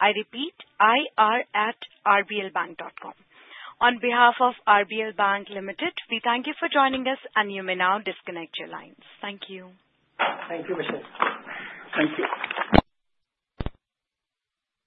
I repeat, ir@rblbank.com. On behalf of RBL Bank Limited, we thank you for joining us, and you may now disconnect your lines. Thank you. Thank you, Michelle. Thank you.